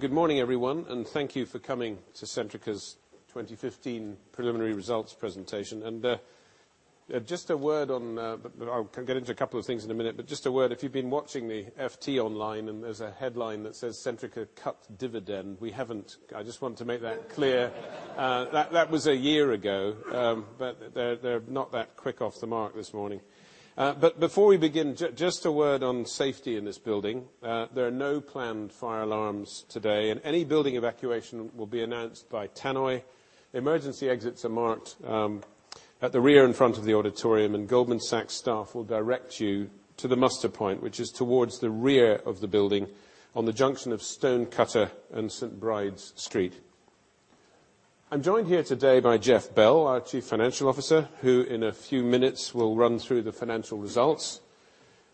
Good morning, everyone, thank you for coming to Centrica's 2015 preliminary results presentation. Just a word on. I'll get into a couple of things in a minute, but just a word. If you've been watching the FT online, there's a headline that says, "Centrica cut dividend," we haven't. I just want to make that clear. That was a year ago, but they're not that quick off the mark this morning. Before we begin, just a word on safety in this building. There are no planned fire alarms today, and any building evacuation will be announced by tannoy. Emergency exits are marked at the rear and front of the auditorium, and Goldman Sachs staff will direct you to the muster point, which is towards the rear of the building on the junction of Stonecutter and St Bride's Street. I'm joined here today by Jeff Bell, our Chief Financial Officer, who, in a few minutes, will run through the financial results.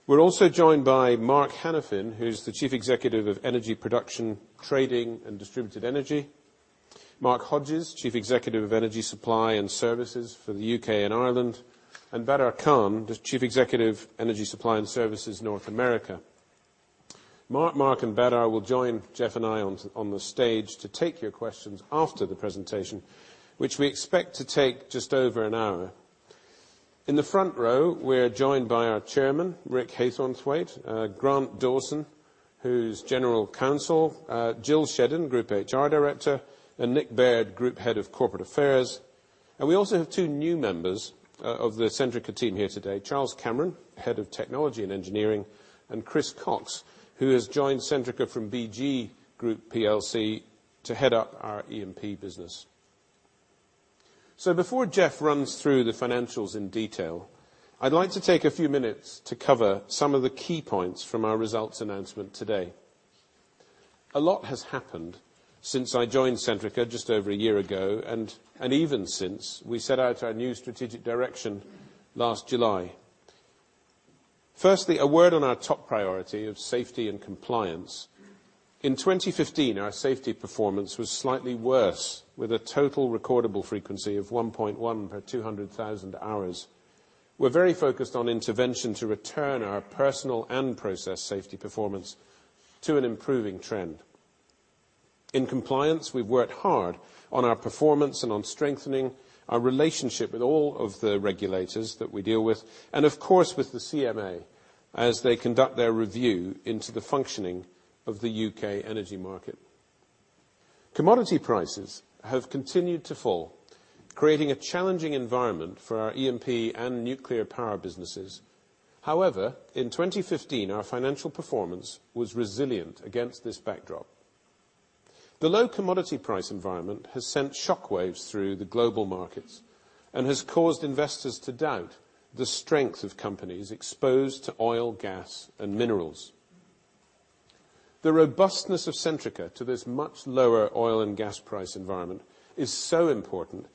We're also joined by Mark Hanafin, who's the Chief Executive of Energy Production, Trading, and Distributed Energy. Mark Hodges, Chief Executive of Energy Supply and Services for the U.K. and Ireland, and Badar Khan, the Chief Executive, Energy Supply and Services, North America. Mark, and Badar will join Jeff and I on the stage to take your questions after the presentation, which we expect to take just over an hour. In the front row, we're joined by our Chairman, Rick Haythornthwaite, Grant Dawson, who's General Counsel, Jill Shedden, Group HR Director, and Nick Baird, Group Head of Corporate Affairs. We also have two new members of the Centrica team here today, Charles Cameron, Head of Technology and Engineering, and Chris Cox, who has joined Centrica from BG Group PLC to head up our E&P business. Before Jeff runs through the financials in detail, I'd like to take a few minutes to cover some of the key points from our results announcement today. A lot has happened since I joined Centrica just over a year ago, even since we set out our new strategic direction last July. Firstly, a word on our top priority of safety and compliance. In 2015, our safety performance was slightly worse, with a total recordable frequency of 1.1 per 200,000 hours. We're very focused on intervention to return our personal and process safety performance to an improving trend. In compliance, we've worked hard on our performance and on strengthening our relationship with all of the regulators that we deal with, of course, with the CMA as they conduct their review into the functioning of the U.K. energy market. Commodity prices have continued to fall, creating a challenging environment for our E&P and nuclear power businesses. However, in 2015, our financial performance was resilient against this backdrop. The low commodity price environment has sent shockwaves through the global markets and has caused investors to doubt the strength of companies exposed to oil, gas, and minerals. The robustness of Centrica to this much lower oil and gas price environment is so important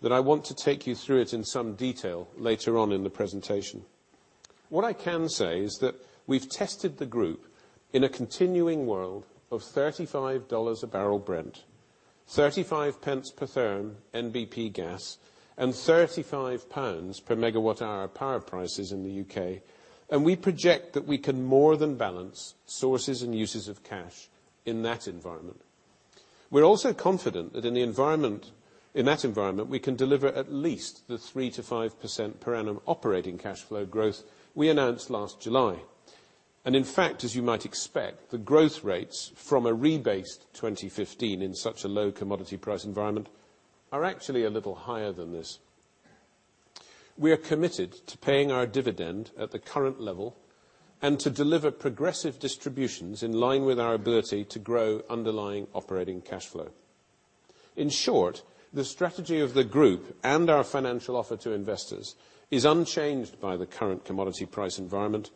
that I want to take you through it in some detail later on in the presentation. What I can say is that we've tested the group in a continuing world of $35 a barrel Brent, 0.35 per therm NBP gas, and 35 pounds per megawatt hour power prices in the U.K. We project that we can more than balance sources and uses of cash in that environment. We're also confident that in that environment, we can deliver at least the 3%-5% per annum operating cash flow growth we announced last July. In fact, as you might expect, the growth rates from a rebased 2015 in such a low commodity price environment are actually a little higher than this. We are committed to paying our dividend at the current level and to deliver progressive distributions in line with our ability to grow underlying operating cash flow. In short, the strategy of the group and our financial offer to investors is unchanged by the current commodity price environment,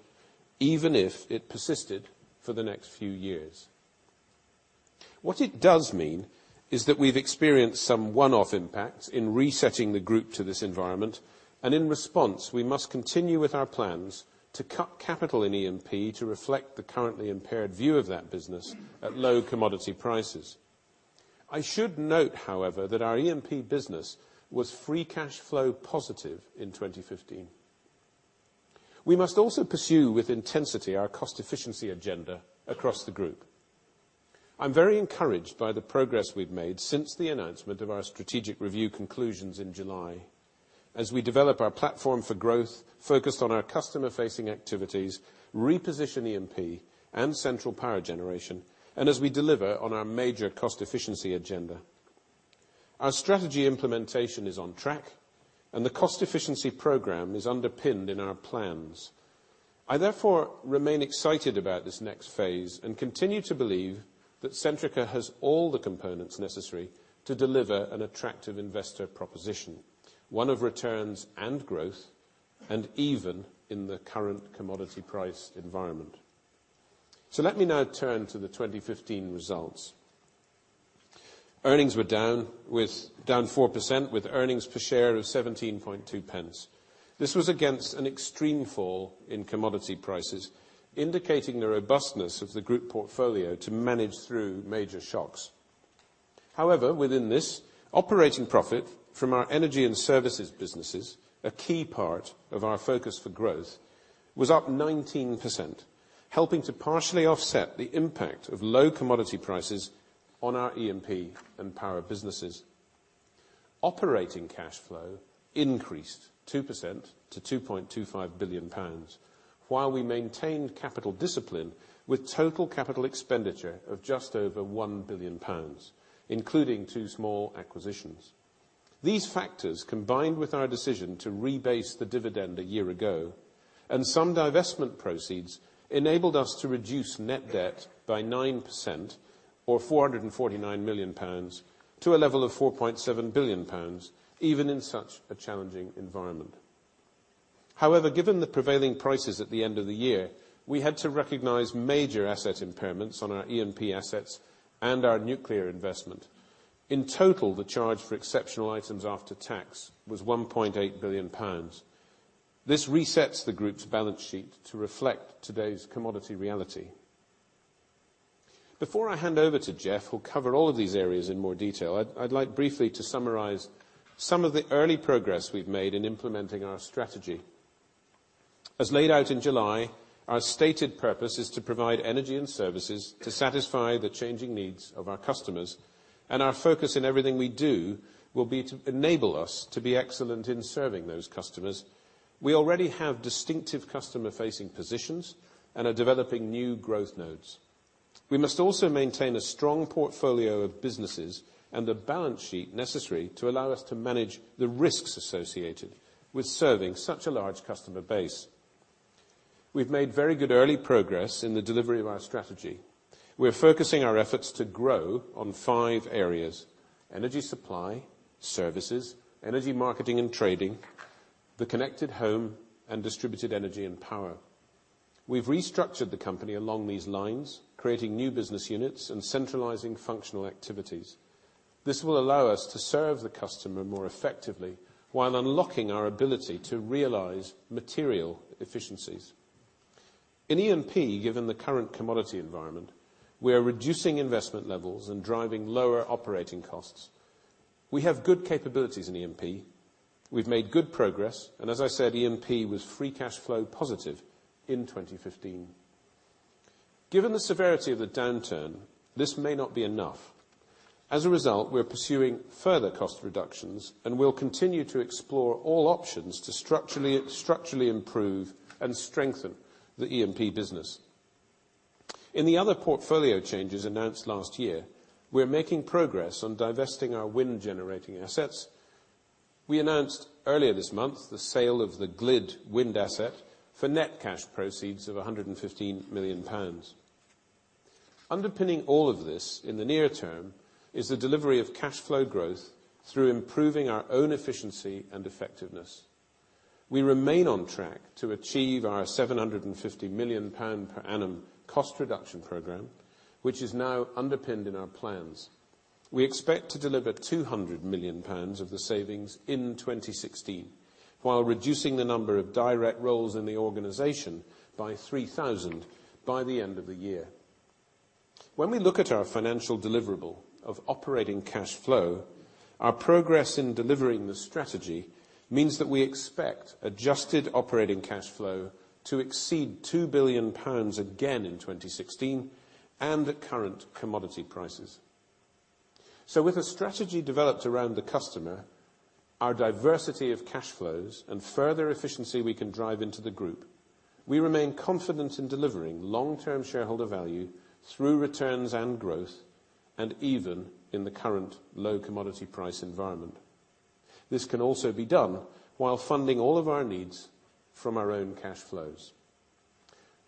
even if it persisted for the next few years. What it does mean is that we've experienced some one-off impacts in resetting the group to this environment. In response, we must continue with our plans to cut capital in E&P to reflect the currently impaired view of that business at low commodity prices. I should note, however, that our E&P business was free cash flow positive in 2015. We must also pursue with intensity our cost efficiency agenda across the group. I'm very encouraged by the progress we've made since the announcement of our strategic review conclusions in July as we develop our platform for growth focused on our customer-facing activities, reposition E&P and central power generation, as we deliver on our major cost efficiency agenda. Our strategy implementation is on track. The cost efficiency program is underpinned in our plans. I therefore remain excited about this next phase and continue to believe that Centrica has all the components necessary to deliver an attractive investor proposition, one of returns and growth, even in the current commodity price environment. Let me now turn to the 2015 results. Earnings were down 4%, with earnings per share of 0.172. This was against an extreme fall in commodity prices, indicating the robustness of the group portfolio to manage through major shocks. However, within this, operating profit from our energy and services businesses, a key part of our focus for growth, was up 19%, helping to partially offset the impact of low commodity prices on our E&P and power businesses. Operating cash flow increased 2% to 2.25 billion pounds, while we maintained capital discipline with total capital expenditure of just over 1 billion pounds, including two small acquisitions. These factors, combined with our decision to rebase the dividend a year ago and some divestment proceeds, enabled us to reduce net debt by 9%, or 449 million pounds, to a level of 4.7 billion pounds, even in such a challenging environment. However, given the prevailing prices at the end of the year, we had to recognize major asset impairments on our E&P assets and our nuclear investment. In total, the charge for exceptional items after tax was 1.8 billion pounds. This resets the group's balance sheet to reflect today's commodity reality. Before I hand over to Jeff, who'll cover all of these areas in more detail, I'd like briefly to summarize some of the early progress we've made in implementing our strategy. As laid out in July, our stated purpose is to provide energy and services to satisfy the changing needs of our customers, and our focus in everything we do will be to enable us to be excellent in serving those customers. We already have distinctive customer-facing positions and are developing new growth nodes. We must also maintain a strong portfolio of businesses and the balance sheet necessary to allow us to manage the risks associated with serving such a large customer base. We've made very good early progress in the delivery of our strategy. We're focusing our efforts to grow on five areas: energy supply, services, energy marketing and trading, the connected home, and distributed energy and power. We've restructured the company along these lines, creating new business units and centralizing functional activities. This will allow us to serve the customer more effectively while unlocking our ability to realize material efficiencies. In E&P, given the current commodity environment, we are reducing investment levels and driving lower operating costs. We have good capabilities in E&P. We've made good progress, and as I said, E&P was free cash flow positive in 2015. Given the severity of the downturn, this may not be enough. As a result, we're pursuing further cost reductions, and we'll continue to explore all options to structurally improve and strengthen the E&P business. In the other portfolio changes announced last year, we're making progress on divesting our wind-generating assets. We announced earlier this month the sale of the GLID wind asset for net cash proceeds of 115 million pounds. Underpinning all of this in the near term is the delivery of cash flow growth through improving our own efficiency and effectiveness. We remain on track to achieve our 750 million pound per annum cost reduction program, which is now underpinned in our plans. We expect to deliver 200 million pounds of the savings in 2016 while reducing the number of direct roles in the organization by 3,000 by the end of the year. When we look at our financial deliverable of operating cash flow, our progress in delivering the strategy means that we expect adjusted operating cash flow to exceed 2 billion pounds again in 2016 and at current commodity prices. With a strategy developed around the customer, our diversity of cash flows, and further efficiency we can drive into the group, we remain confident in delivering long-term shareholder value through returns and growth and even in the current low commodity price environment. This can also be done while funding all of our needs from our own cash flows.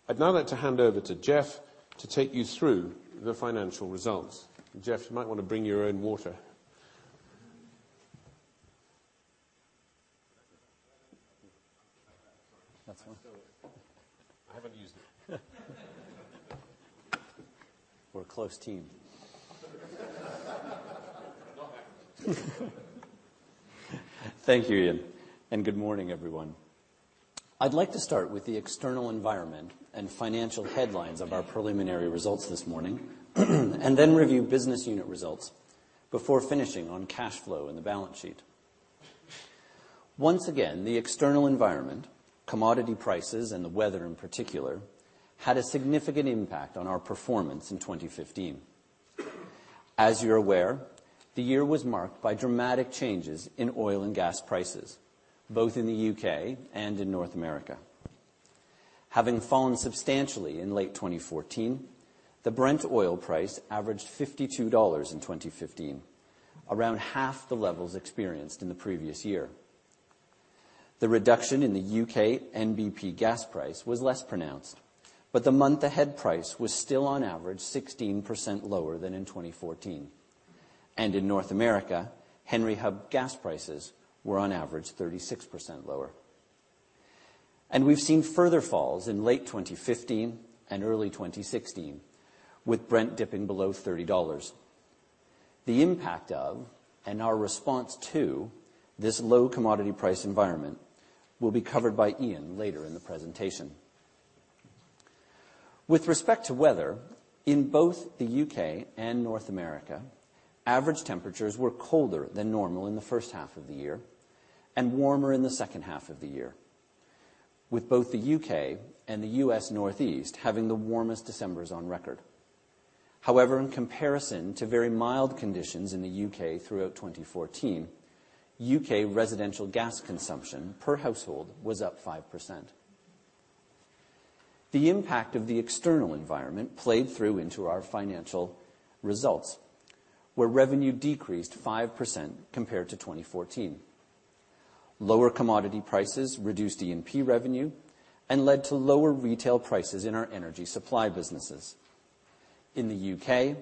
I'd now like to hand over to Jeff to take you through the financial results. Jeff, you might want to bring your own water. That's one. I haven't used it. We're a close team. It all happened too fast. Thank you, Iain, and good morning, everyone. I'd like to start with the external environment and financial headlines of our preliminary results this morning and then review business unit results before finishing on cash flow and the balance sheet. Once again, the external environment, commodity prices, and the weather in particular, had a significant impact on our performance in 2015. As you're aware, the year was marked by dramatic changes in oil and gas prices, both in the U.K. and in North America. Having fallen substantially in late 2014, the Brent oil price averaged $52 in 2015, around half the levels experienced in the previous year. The reduction in the U.K. NBP gas price was less pronounced, but the month ahead price was still on average 16% lower than in 2014. In North America, Henry Hub gas prices were on average 36% lower. We've seen further falls in late 2015 and early 2016, with Brent dipping below $30. The impact of and our response to this low commodity price environment will be covered by Iain later in the presentation. With respect to weather, in both the U.K. and North America, average temperatures were colder than normal in the first half of the year and warmer in the second half of the year, with both the U.K. and the U.S. Northeast having the warmest Decembers on record. However, in comparison to very mild conditions in the U.K. throughout 2014, U.K. residential gas consumption per household was up 5%. The impact of the external environment played through into our financial results, where revenue decreased 5% compared to 2014. Lower commodity prices reduced E&P revenue and led to lower retail prices in our energy supply businesses. In the U.K.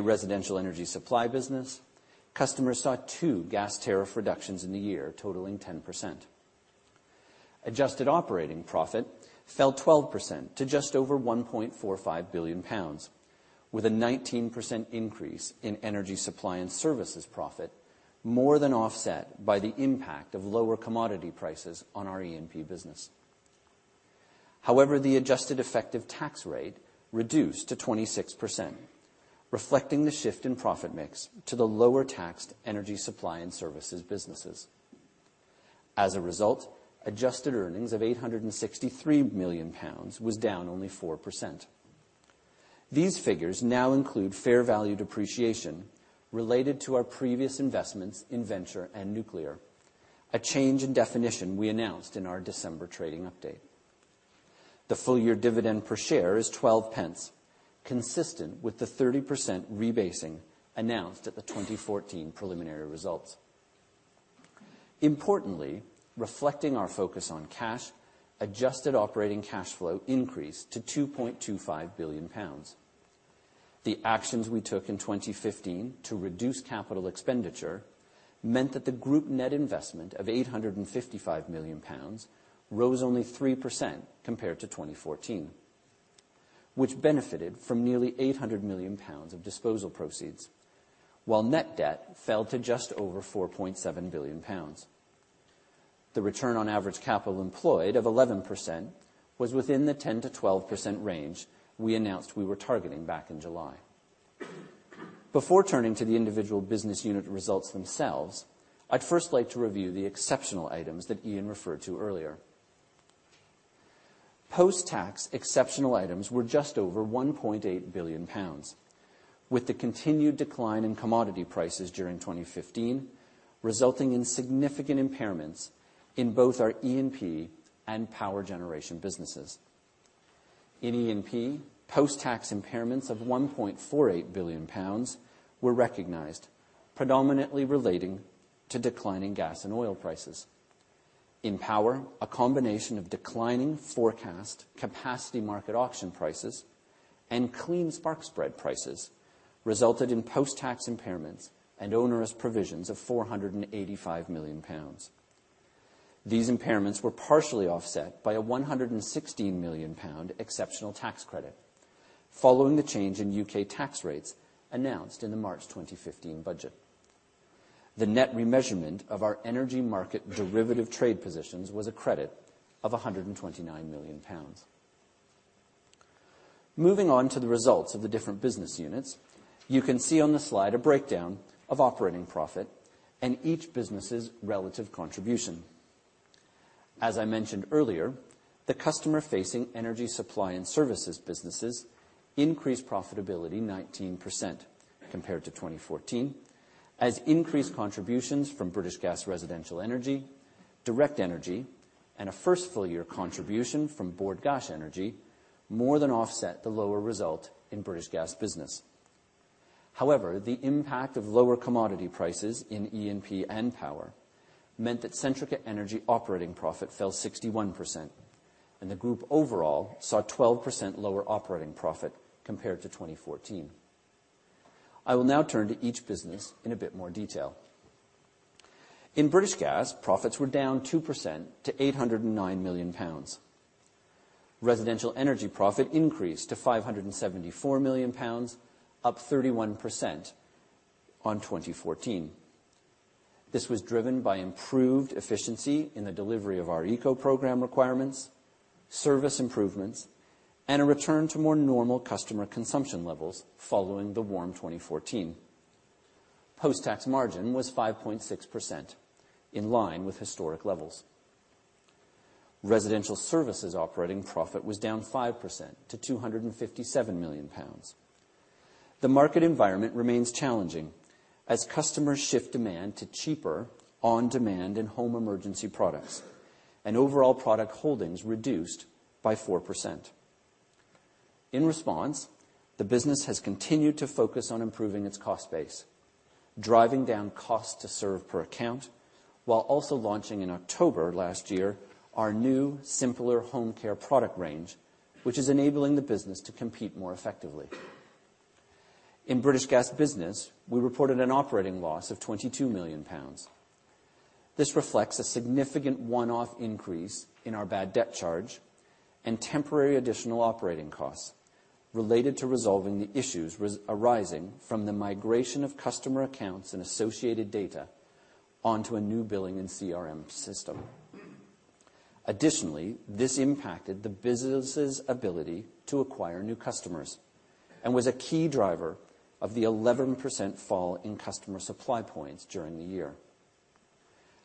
residential energy supply business, customers saw two gas tariff reductions in the year totaling 10%. Adjusted operating profit fell 12% to just over 1.45 billion pounds, with a 19% increase in energy supply and services profit more than offset by the impact of lower commodity prices on our E&P business. However, the adjusted effective tax rate reduced to 26%, reflecting the shift in profit mix to the lower taxed energy supply and services businesses. As a result, adjusted earnings of 863 million pounds was down only 4%. These figures now include fair value depreciation related to our previous investments in venture and nuclear, a change in definition we announced in our December trading update. The full-year dividend per share is 0.12, consistent with the 30% rebasing announced at the 2014 preliminary results. Importantly, reflecting our focus on cash, adjusted operating cash flow increased to 2.25 billion pounds. The actions we took in 2015 to reduce capital expenditure meant that the group net investment of 855 million pounds rose only 3% compared to 2014, which benefited from nearly 800 million pounds of disposal proceeds, while net debt fell to just over 4.7 billion pounds. The return on average capital employed of 11% was within the 10%-12% range we announced we were targeting back in July. Before turning to the individual business unit results themselves, I'd first like to review the exceptional items that Iain referred to earlier. Post-tax exceptional items were just over 1.8 billion pounds, with the continued decline in commodity prices during 2015 resulting in significant impairments in both our E&P and power generation businesses. In E&P, post-tax impairments of 1.48 billion pounds were recognized, predominantly relating to declining gas and oil prices. In power, a combination of declining forecast capacity market auction prices and clean spark spread prices resulted in post-tax impairments and onerous provisions of 485 million pounds. These impairments were partially offset by a 116 million pound exceptional tax credit following the change in U.K. tax rates announced in the March 2015 budget. The net remeasurement of our energy market derivative trade positions was a credit of 129 million pounds. Moving on to the results of the different business units. You can see on the slide a breakdown of operating profit and each business's relative contribution. As I mentioned earlier, the customer-facing energy supply and services businesses increased profitability 19% compared to 2014, as increased contributions from British Gas Residential Energy, Direct Energy, and a first full-year contribution from Bord Gáis Energy more than offset the lower result in British Gas Business. However, the impact of lower commodity prices in E&P and power meant that Centrica Energy operating profit fell 61%, and the group overall saw 12% lower operating profit compared to 2014. I will now turn to each business in a bit more detail. In British Gas, profits were down 2% to 809 million pounds. Residential energy profit increased to 574 million pounds, up 31% on 2014. This was driven by improved efficiency in the delivery of our ECO program requirements, service improvements, and a return to more normal customer consumption levels following the warm 2014. Post-tax margin was 5.6%, in line with historic levels. Residential services operating profit was down 5% to 257 million pounds. The market environment remains challenging as customers shift demand to cheaper on-demand and home emergency products, and overall product holdings reduced by 4%. In response, the business has continued to focus on improving its cost base, driving down cost to serve per account, while also launching in October last year our new simpler HomeCare product range, which is enabling the business to compete more effectively. In British Gas Business, we reported an operating loss of 22 million pounds. This reflects a significant one-off increase in our bad debt charge and temporary additional operating costs related to resolving the issues arising from the migration of customer accounts and associated data onto a new billing and CRM system. Additionally, this impacted the business's ability to acquire new customers and was a key driver of the 11% fall in customer supply points during the year.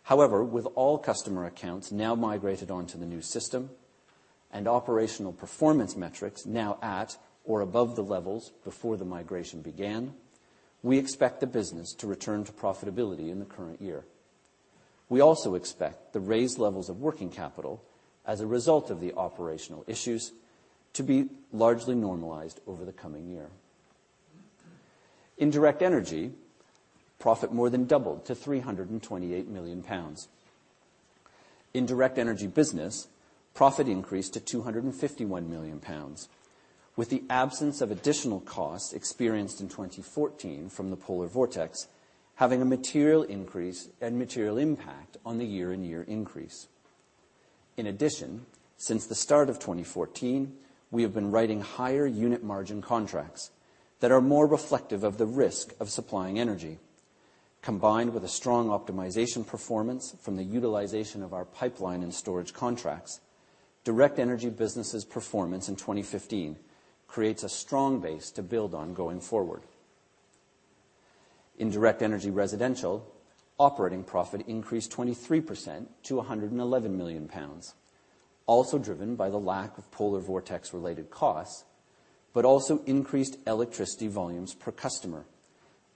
However, with all customer accounts now migrated onto the new system and operational performance metrics now at or above the levels before the migration began, we expect the business to return to profitability in the current year. We also expect the raised levels of working capital as a result of the operational issues to be largely normalized over the coming year. In Direct Energy, profit more than doubled to 328 million pounds. In Direct Energy Business, profit increased to 251 million pounds, with the absence of additional costs experienced in 2014 from the polar vortex, having a material increase and material impact on the year-on-year increase. In addition, since the start of 2014, we have been writing higher unit margin contracts that are more reflective of the risk of supplying energy. Combined with a strong optimization performance from the utilization of our pipeline and storage contracts, Direct Energy Business' performance in 2015 creates a strong base to build on going forward. In Direct Energy Residential, operating profit increased 23% to 111 million pounds, also driven by the lack of polar vortex-related costs, but also increased electricity volumes per customer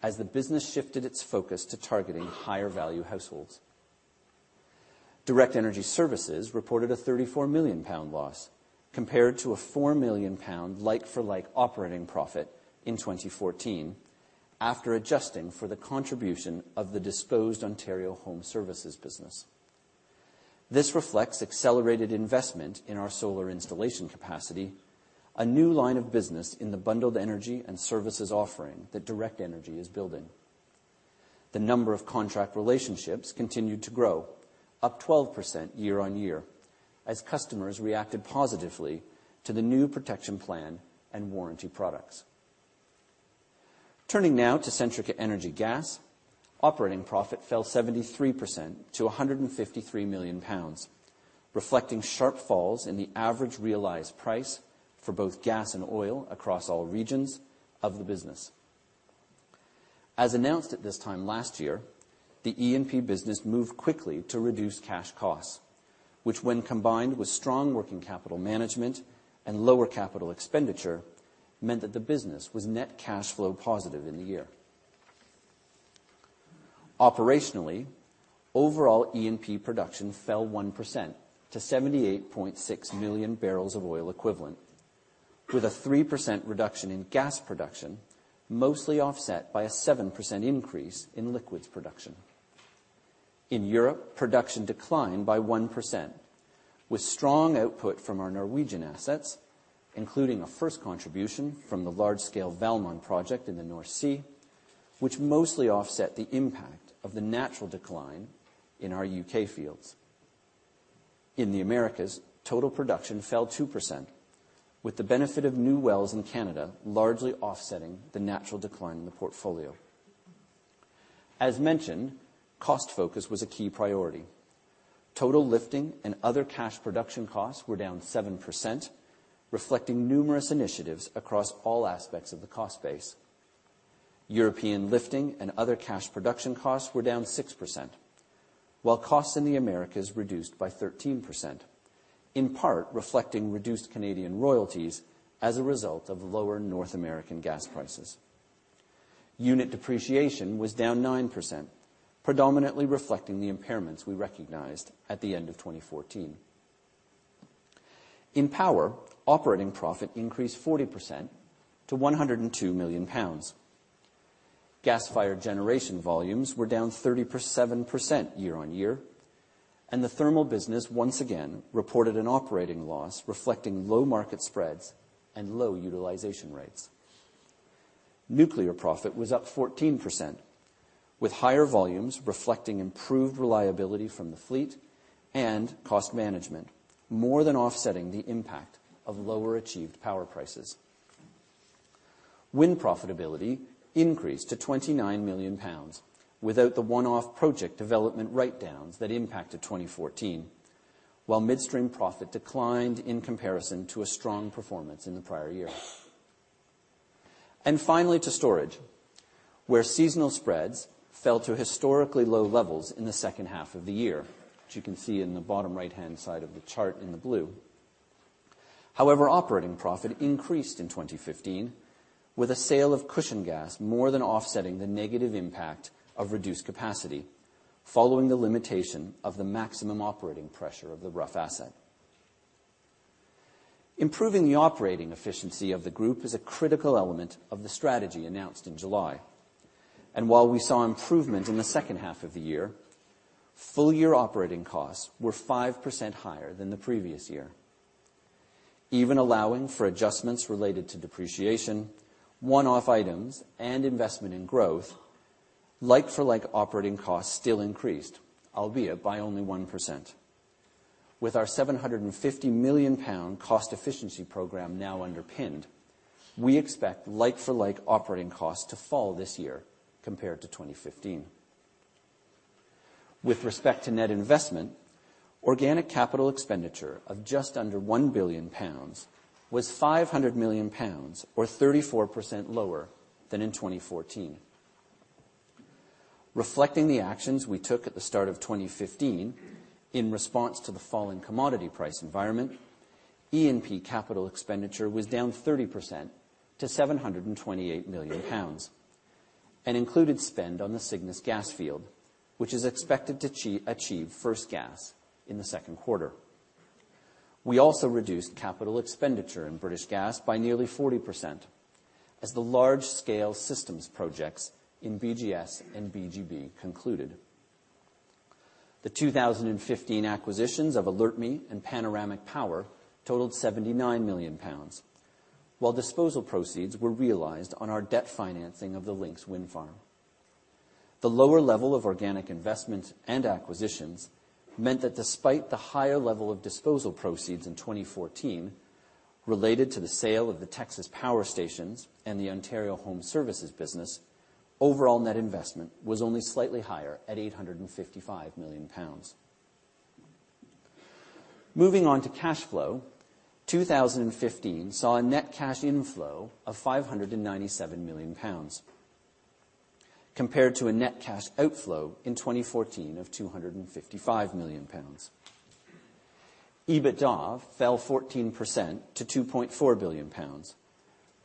as the business shifted its focus to targeting higher-value households. Direct Energy Services reported a 34 million pound loss compared to a 4 million pound like-for-like operating profit in 2014 after adjusting for the contribution of the disposed Ontario Home Services business. This reflects accelerated investment in our solar installation capacity, a new line of business in the bundled energy and services offering that Direct Energy is building. The number of contract relationships continued to grow, up 12% year-on-year, as customers reacted positively to the new protection plan and warranty products. Turning now to Centrica Energy Gas. Operating profit fell 73% to 153 million pounds, reflecting sharp falls in the average realized price for both gas and oil across all regions of the business. As announced at this time last year, the E&P business moved quickly to reduce cash costs, which when combined with strong working capital management and lower capital expenditure, meant that the business was net cash flow positive in the year. Operationally, overall E&P production fell 1% to 78.6 million barrels of oil equivalent, with a 3% reduction in gas production, mostly offset by a 7% increase in liquids production. In Europe, production declined by 1%, with strong output from our Norwegian assets, including a first contribution from the large-scale Valemon project in the North Sea, which mostly offset the impact of the natural decline in our U.K. fields. In the Americas, total production fell 2%, with the benefit of new wells in Canada largely offsetting the natural decline in the portfolio. As mentioned, cost focus was a key priority. Total lifting and other cash production costs were down 7%, reflecting numerous initiatives across all aspects of the cost base. European lifting and other cash production costs were down 6%, while costs in the Americas reduced by 13%, in part reflecting reduced Canadian royalties as a result of lower North American gas prices. Unit depreciation was down 9%, predominantly reflecting the impairments we recognized at the end of 2014. In Power, operating profit increased 40% to 102 million pounds. Gas-fired generation volumes were down 37% year-on-year, and the thermal business once again reported an operating loss reflecting low market spreads and low utilization rates. Nuclear profit was up 14%, with higher volumes reflecting improved reliability from the fleet and cost management, more than offsetting the impact of lower achieved power prices. Wind profitability increased to 29 million pounds without the one-off project development write-downs that impacted 2014, while midstream profit declined in comparison to a strong performance in the prior year. Finally, to storage, where seasonal spreads fell to historically low levels in the second half of the year, which you can see in the bottom right-hand side of the chart in the blue. However, operating profit increased in 2015 with a sale of cushion gas more than offsetting the negative impact of reduced capacity following the limitation of the maximum operating pressure of the Rough asset. Improving the operating efficiency of the group is a critical element of the strategy announced in July. While we saw improvement in the second half of the year, full-year operating costs were 5% higher than the previous year. Even allowing for adjustments related to depreciation, one-off items, and investment in growth, like-for-like operating costs still increased, albeit by only 1%. With our 750 million pound cost efficiency program now underpinned, we expect like-for-like operating costs to fall this year compared to 2015. With respect to net investment, organic capital expenditure of just under 1 billion pounds, was 500 million pounds, or 34% lower than in 2014. Reflecting the actions we took at the start of 2015 in response to the fall in commodity price environment, E&P capital expenditure was down 30% to 728 million pounds, and included spend on the Cygnus gas field, which is expected to achieve first gas in the second quarter. We also reduced capital expenditure in British Gas by nearly 40%, as the large-scale systems projects in BGS and BGB concluded. The 2015 acquisitions of AlertMe and Panoramic Power totaled 79 million pounds, while disposal proceeds were realized on our debt financing of the Lincs Wind Farm. The lower level of organic investment and acquisitions meant that despite the higher level of disposal proceeds in 2014 related to the sale of the Texas power stations and the Ontario Home Services business, overall net investment was only slightly higher at 855 million pounds. Moving on to cash flow, 2015 saw a net cash inflow of 597 million pounds, compared to a net cash outflow in 2014 of 255 million pounds. EBITDA fell 14% to 2.4 billion pounds,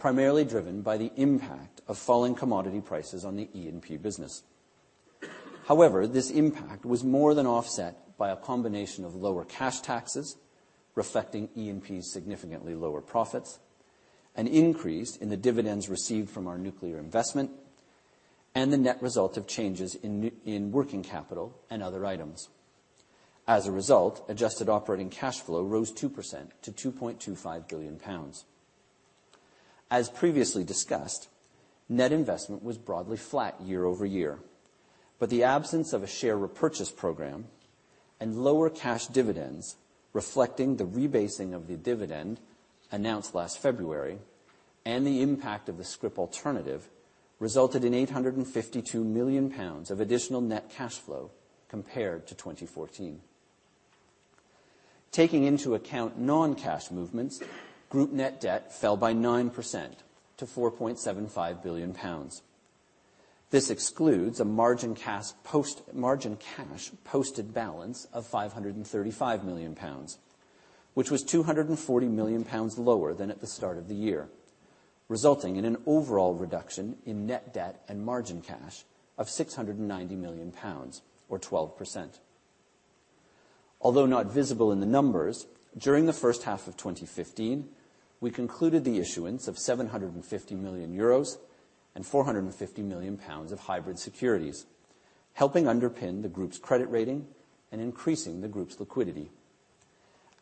primarily driven by the impact of falling commodity prices on the E&P business. However, this impact was more than offset by a combination of lower cash taxes, reflecting E&P's significantly lower profits, an increase in the dividends received from our nuclear investment, and the net result of changes in working capital and other items. As a result, adjusted operating cash flow rose 2% to 2.25 billion pounds. As previously discussed, net investment was broadly flat year-over-year, the absence of a share repurchase program and lower cash dividends reflecting the rebasing of the dividend announced last February, and the impact of the scrip alternative resulted in 852 million pounds of additional net cash flow compared to 2014. Taking into account non-cash movements, group net debt fell by 9% to 4.7 billion pounds. This excludes a margin cash posted balance of 535 million pounds, which was 240 million pounds lower than at the start of the year, resulting in an overall reduction in net debt and margin cash of 690 million pounds or 12%. Although not visible in the numbers, during the first half of 2015, we concluded the issuance of 750 million euros and 450 million pounds of hybrid securities, helping underpin the group's credit rating and increasing the group's liquidity.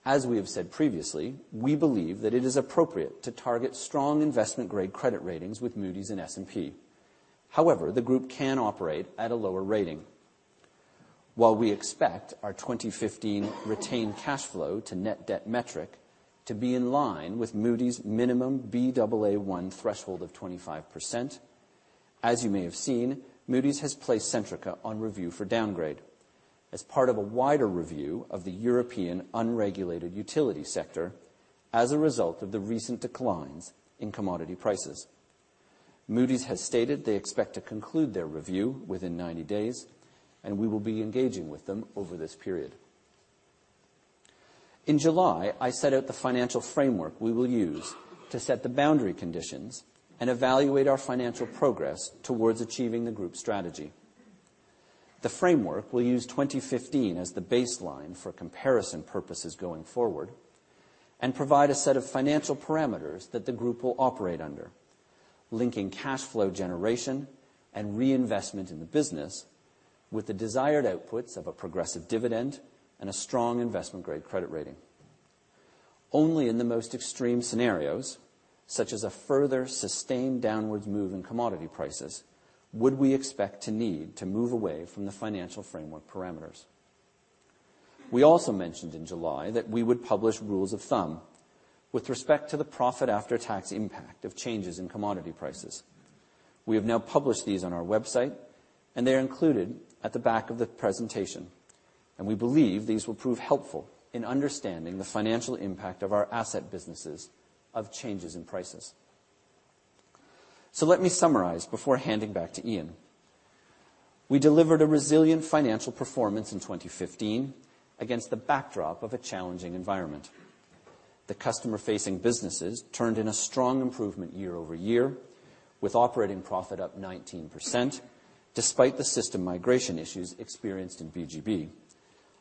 As we have said previously, we believe that it is appropriate to target strong investment-grade credit ratings with Moody's and S&P. However, the group can operate at a lower rating. While we expect our 2015 retained cash flow to net debt metric to be in line with Moody's minimum Baa1 threshold of 25%, as you may have seen, Moody's has placed Centrica on review for downgrade as part of a wider review of the European unregulated utility sector as a result of the recent declines in commodity prices. Moody's has stated they expect to conclude their review within 90 days, and we will be engaging with them over this period. In July, I set out the financial framework we will use to set the boundary conditions and evaluate our financial progress towards achieving the group strategy. The framework will use 2015 as the baseline for comparison purposes going forward and provide a set of financial parameters that the group will operate under, linking cash flow generation and reinvestment in the business with the desired outputs of a progressive dividend and a strong investment-grade credit rating. Only in the most extreme scenarios, such as a further sustained downwards move in commodity prices, would we expect to need to move away from the financial framework parameters. We also mentioned in July that we would publish rules of thumb with respect to the profit after-tax impact of changes in commodity prices. We have now published these on our website, and they are included at the back of the presentation, and we believe these will prove helpful in understanding the financial impact of our asset businesses of changes in prices. Let me summarize before handing back to Iain. We delivered a resilient financial performance in 2015 against the backdrop of a challenging environment. The customer-facing businesses turned in a strong improvement year-over-year, with operating profit up 19%, despite the system migration issues experienced in BGB,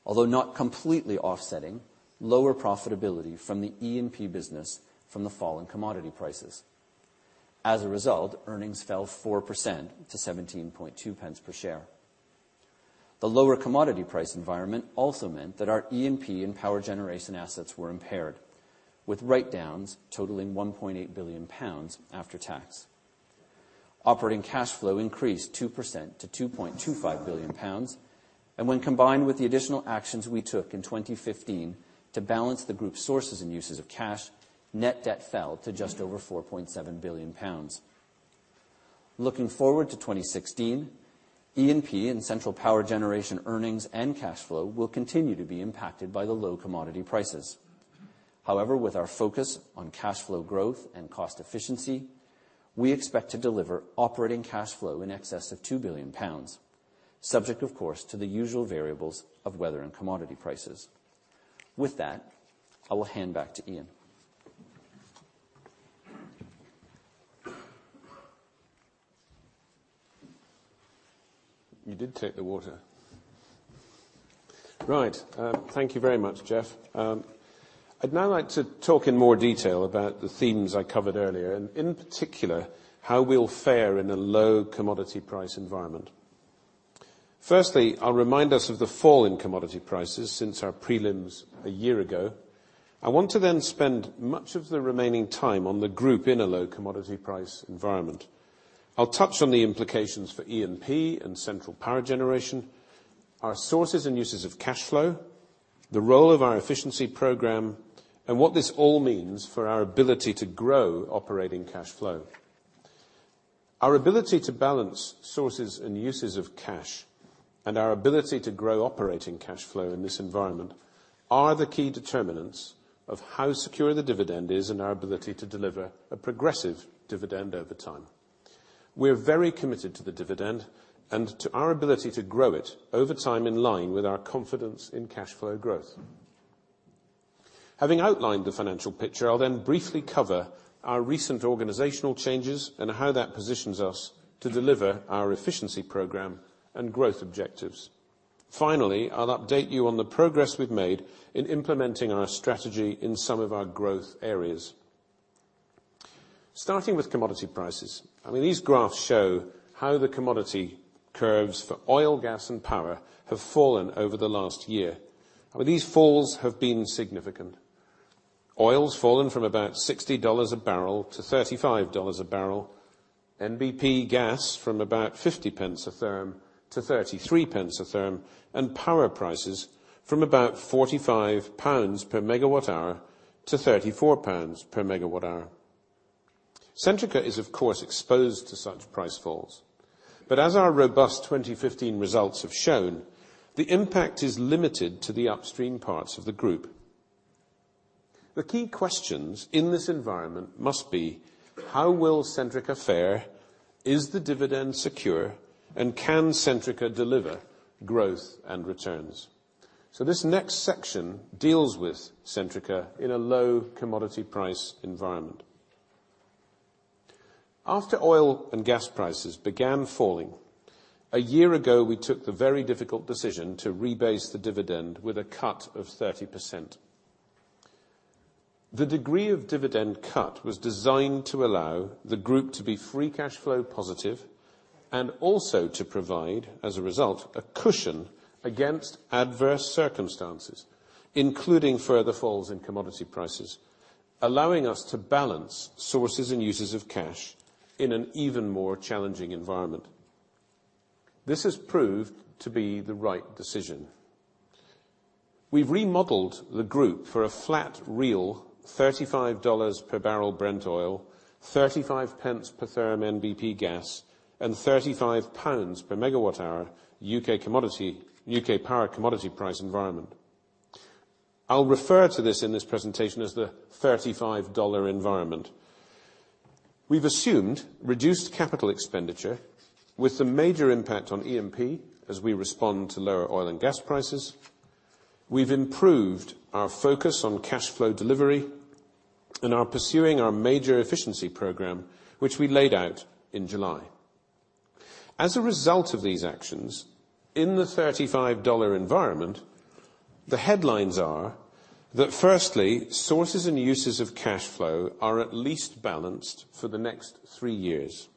although not completely offsetting lower profitability from the E&P business from the fall in commodity prices. As a result, earnings fell 4% to 0.172 per share. The lower commodity price environment also meant that our E&P and power generation assets were impaired, with write-downs totaling 1.8 billion pounds after tax. Operating cash flow increased 2% to 2.25 billion pounds. When combined with the additional actions we took in 2015 to balance the group sources and uses of cash, net debt fell to just over 4.7 billion pounds. Looking forward to 2016, E&P and central power generation earnings and cash flow will continue to be impacted by the low commodity prices. With our focus on cash flow growth and cost efficiency, we expect to deliver operating cash flow in excess of 2 billion pounds, subject, of course, to the usual variables of weather and commodity prices. With that, I will hand back to Iain. You did take the water. Right. Thank you very much, Jeff Bell. I'd now like to talk in more detail about the themes I covered earlier, and in particular, how we'll fare in a low commodity price environment. Firstly, I'll remind us of the fall in commodity prices since our prelims a year ago. I want to spend much of the remaining time on the group in a low commodity price environment. I'll touch on the implications for E&P and central power generation, our sources and uses of cash flow, the role of our efficiency program, and what this all means for our ability to grow operating cash flow. Our ability to balance sources and uses of cash, and our ability to grow operating cash flow in this environment, are the key determinants of how secure the dividend is in our ability to deliver a progressive dividend over time. We're very committed to the dividend and to our ability to grow it over time in line with our confidence in cash flow growth. Having outlined the financial picture, I'll briefly cover our recent organizational changes and how that positions us to deliver our efficiency program and growth objectives. Finally, I'll update you on the progress we've made in implementing our strategy in some of our growth areas. Starting with commodity prices. These graphs show how the commodity curves for oil, gas, and power have fallen over the last year. These falls have been significant. Oil's fallen from about $60 a barrel to $35 a barrel, NBP gas from about 0.50 a therm to 0.33 a therm, and power prices from about 45 pounds per megawatt hour to 34 pounds per megawatt hour. Centrica is, of course, exposed to such price falls. As our robust 2015 results have shown, the impact is limited to the upstream parts of the group. The key questions in this environment must be: How will Centrica fare? Is the dividend secure? Can Centrica deliver growth and returns? This next section deals with Centrica in a low commodity price environment. After oil and gas prices began falling, a year ago, we took the very difficult decision to rebase the dividend with a cut of 30%. The degree of dividend cut was designed to allow the group to be free cash flow positive, and also to provide, as a result, a cushion against adverse circumstances, including further falls in commodity prices, allowing us to balance sources and uses of cash in an even more challenging environment. This has proved to be the right decision. We've remodeled the group for a flat real $35 per barrel Brent oil, 0.35 per therm NBP gas, and 35 pounds per megawatt hour U.K. Power commodity price environment. I'll refer to this in this presentation as the $35 environment. We've assumed reduced capital expenditure with a major impact on E&P as we respond to lower oil and gas prices. We've improved our focus on cash flow delivery and are pursuing our major efficiency program, which we laid out in July. As a result of these actions, in the $35 environment, the headlines are that firstly, sources and uses of cash flow are at least balanced for the next three years.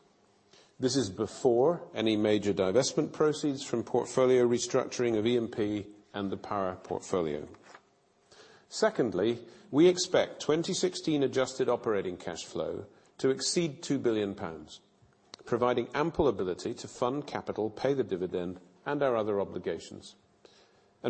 This is before any major divestment proceeds from portfolio restructuring of E&P and the Power portfolio. Secondly, we expect 2016 adjusted operating cash flow to exceed £2 billion, providing ample ability to fund capital, pay the dividend, and our other obligations.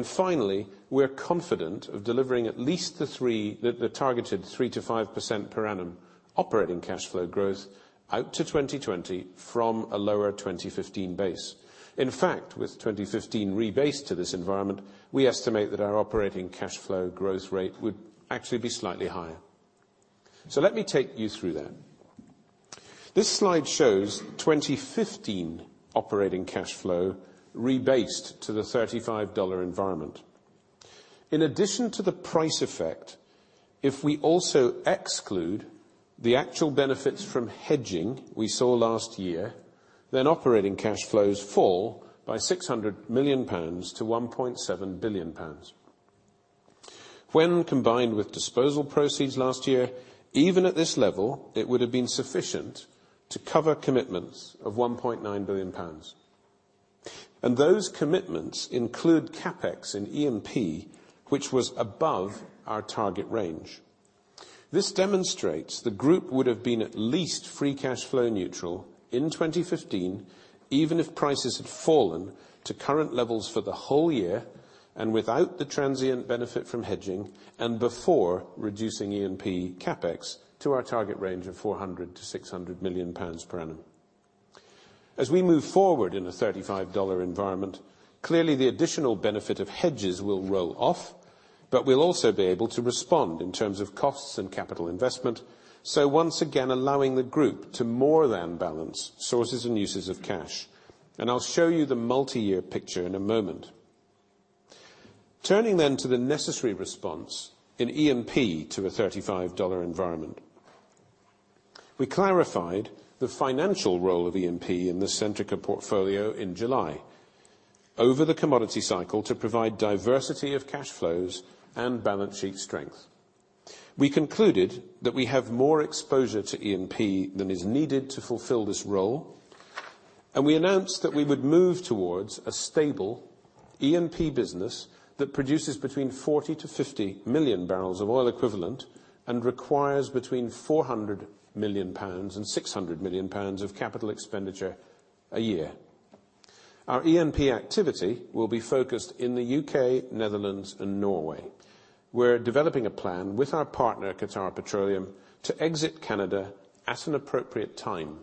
Finally, we're confident of delivering at least the targeted 3%-5% per annum operating cash flow growth out to 2020 from a lower 2015 base. In fact, with 2015 rebased to this environment, we estimate that our operating cash flow growth rate would actually be slightly higher. Let me take you through that. This slide shows 2015 operating cash flow rebased to the $35 environment. In addition to the price effect, if we also exclude the actual benefits from hedging we saw last year, then operating cash flows fall by £600 million to £1.7 billion. When combined with disposal proceeds last year, even at this level, it would've been sufficient to cover commitments of £1.9 billion. Those commitments include CapEx in E&P, which was above our target range. This demonstrates the group would've been at least free cash flow neutral in 2015, even if prices had fallen to current levels for the whole year, and without the transient benefit from hedging, and before reducing E&P CapEx to our target range of 400 million-600 million pounds per annum. As we move forward in a $35 environment, clearly the additional benefit of hedges will roll off, we'll also be able to respond in terms of costs and capital investment, once again allowing the group to more than balance sources and uses of cash. I'll show you the multi-year picture in a moment. Turning to the necessary response in E&P to a $35 environment. We clarified the financial role of E&P in the Centrica portfolio in July, over the commodity cycle, to provide diversity of cash flows and balance sheet strength. We concluded that we have more exposure to E&P than is needed to fulfill this role, we announced that we would move towards a stable E&P business that produces between 40 million-50 million barrels of oil equivalent, and requires between 400 million pounds and 600 million pounds of capital expenditure a year. Our E&P activity will be focused in the U.K., Netherlands, and Norway. We're developing a plan with our partner, Qatar Petroleum, to exit Canada at an appropriate time.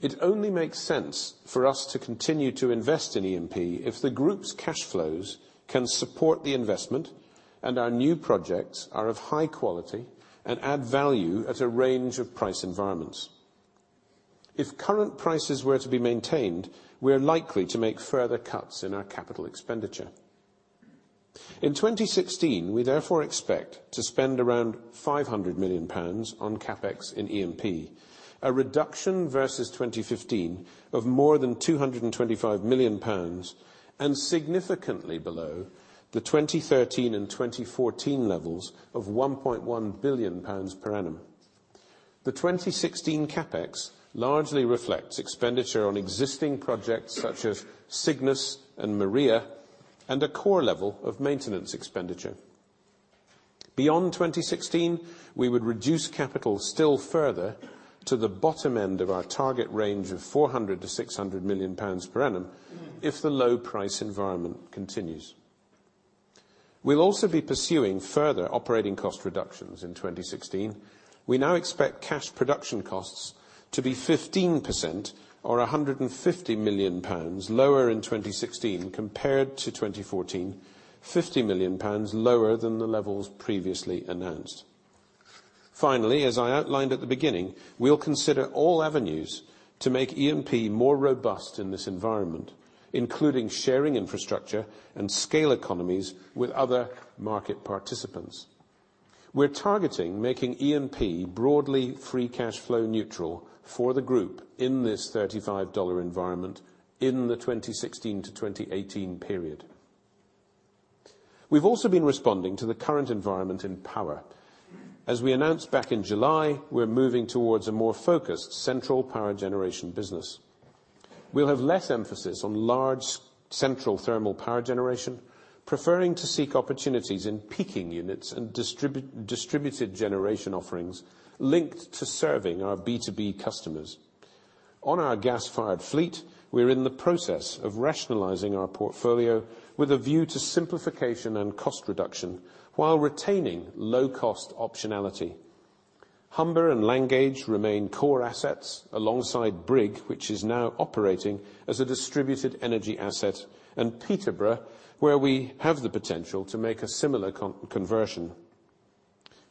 It only makes sense for us to continue to invest in E&P if the group's cash flows can support the investment, our new projects are of high quality and add value at a range of price environments. If current prices were to be maintained, we're likely to make further cuts in our capital expenditure. In 2016, we therefore expect to spend around 500 million pounds on CapEx in E&P, a reduction versus 2015 of more than 225 million pounds, significantly below the 2013 and 2014 levels of 1.1 billion pounds per annum. The 2016 CapEx largely reflects expenditure on existing projects such as Cygnus and Maria, and a core level of maintenance expenditure. Beyond 2016, we would reduce capital still further to the bottom end of our target range of 400 million-600 million pounds per annum if the low price environment continues. We'll also be pursuing further operating cost reductions in 2016. We now expect cash production costs to be 15%, or 150 million pounds lower in 2016 compared to 2014, 50 million pounds lower than the levels previously announced. Finally, as I outlined at the beginning, we'll consider all avenues to make E&P more robust in this environment, including sharing infrastructure and scale economies with other market participants. We're targeting making E&P broadly free cash flow neutral for the group in this $35 environment in the 2016 to 2018 period. We've also been responding to the current environment in power. As we announced back in July, we're moving towards a more focused central power generation business. We'll have less emphasis on large central thermal power generation, preferring to seek opportunities in peaking units and distributed generation offerings linked to serving our B2B customers. On our gas-fired fleet, we're in the process of rationalizing our portfolio with a view to simplification and cost reduction while retaining low-cost optionality. Humber and Langage remain core assets alongside Brigg, which is now operating as a distributed energy asset, and Peterborough, where we have the potential to make a similar conversion.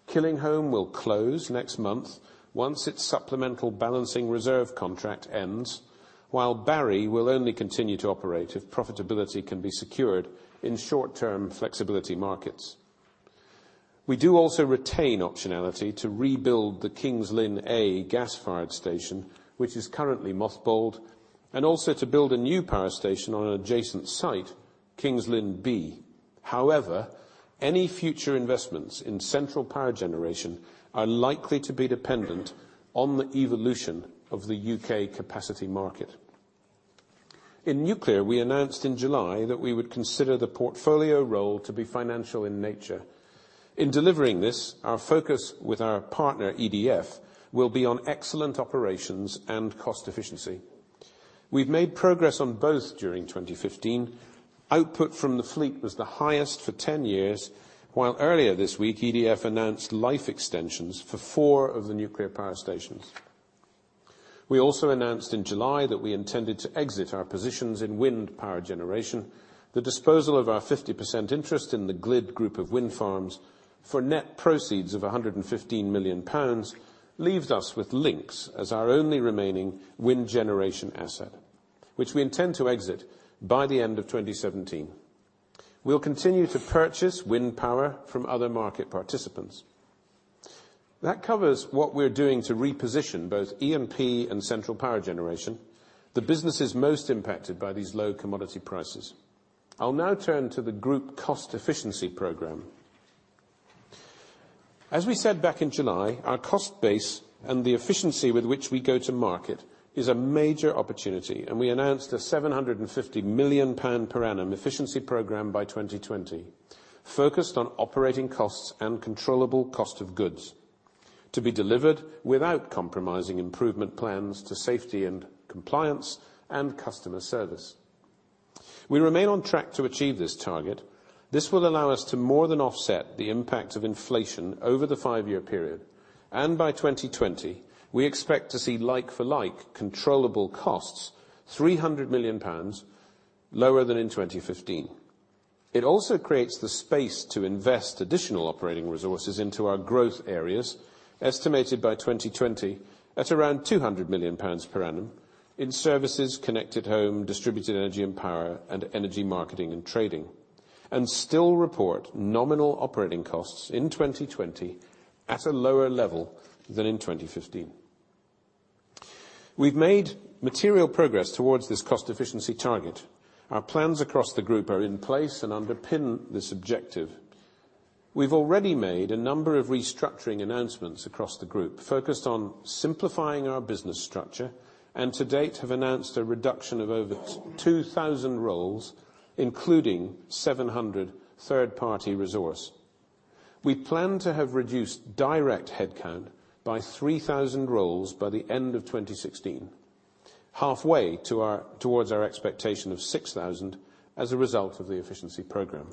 Killingholme will close next month once its supplemental balancing reserve contract ends, while Barry will only continue to operate if profitability can be secured in short-term flexibility markets. We do also retain optionality to rebuild the King's Lynn A gas-fired station, which is currently mothballed, and also to build a new power station on an adjacent site, King's Lynn B. Any future investments in central power generation are likely to be dependent on the evolution of the U.K. capacity market. In nuclear, we announced in July that we would consider the portfolio role to be financial in nature. In delivering this, our focus with our partner, EDF, will be on excellent operations and cost efficiency. We've made progress on both during 2015. Output from the fleet was the highest for 10 years, while earlier this week, EDF announced life extensions for four of the nuclear power stations. We also announced in July that we intended to exit our positions in wind power generation. The disposal of our 50% interest in the GLID group of wind farms for net proceeds of 115 million pounds leaves us with Lincs as our only remaining wind generation asset, which we intend to exit by the end of 2017. We'll continue to purchase wind power from other market participants. That covers what we're doing to reposition both E&P and central power generation, the businesses most impacted by these low commodity prices. I'll now turn to the group cost efficiency program. As we said back in July, our cost base and the efficiency with which we go to market is a major opportunity. We announced a 750 million pound per annum efficiency program by 2020, focused on operating costs and controllable cost of goods to be delivered without compromising improvement plans to safety and compliance and customer service. We remain on track to achieve this target. This will allow us to more than offset the impact of inflation over the five-year period. By 2020, we expect to see like-for-like controllable costs 300 million pounds lower than in 2015. It also creates the space to invest additional operating resources into our growth areas, estimated by 2020 at around GBP 200 million per annum in services, connected home, distributed energy and power, Energy marketing and trading, (Still report) nominal operating costs in 2020 at a lower level than in 2015. We've made material progress towards this cost-efficiency target. Our plans across the group are in place and underpin this objective. We've already made a number of restructuring announcements across the group, focused on simplifying our business structure, and to date have announced a reduction of over 2,000 roles, including 700 third-party resource. We plan to have reduced direct headcount by 3,000 roles by the end of 2016, halfway towards our expectation of 6,000 as a result of the efficiency program.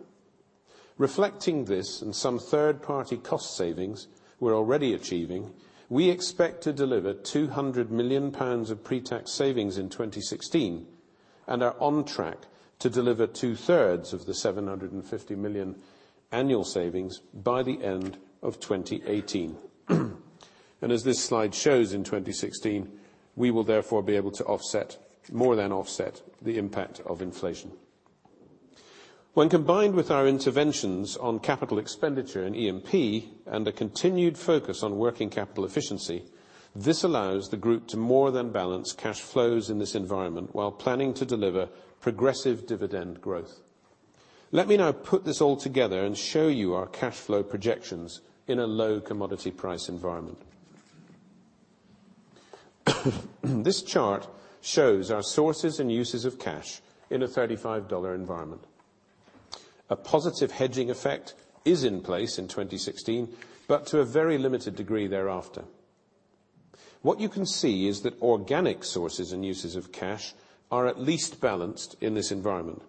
Reflecting this and some third-party cost savings we're already achieving, we expect to deliver 200 million pounds of pre-tax savings in 2016 and are on track to deliver two-thirds of the 750 million annual savings by the end of 2018. As this slide shows, in 2016, we will therefore be able to more than offset the impact of inflation. When combined with our interventions on CapEx and E&P and a continued focus on working capital efficiency, this allows the group to more than balance cash flows in this environment while planning to deliver progressive dividend growth. Let me now put this all together and show you our cash flow projections in a low commodity price environment. This chart shows our sources and uses of cash in a $35 environment. A positive hedging effect is in place in 2016, but to a very limited degree thereafter. What you can see is that organic sources and uses of cash are at least balanced in this environment.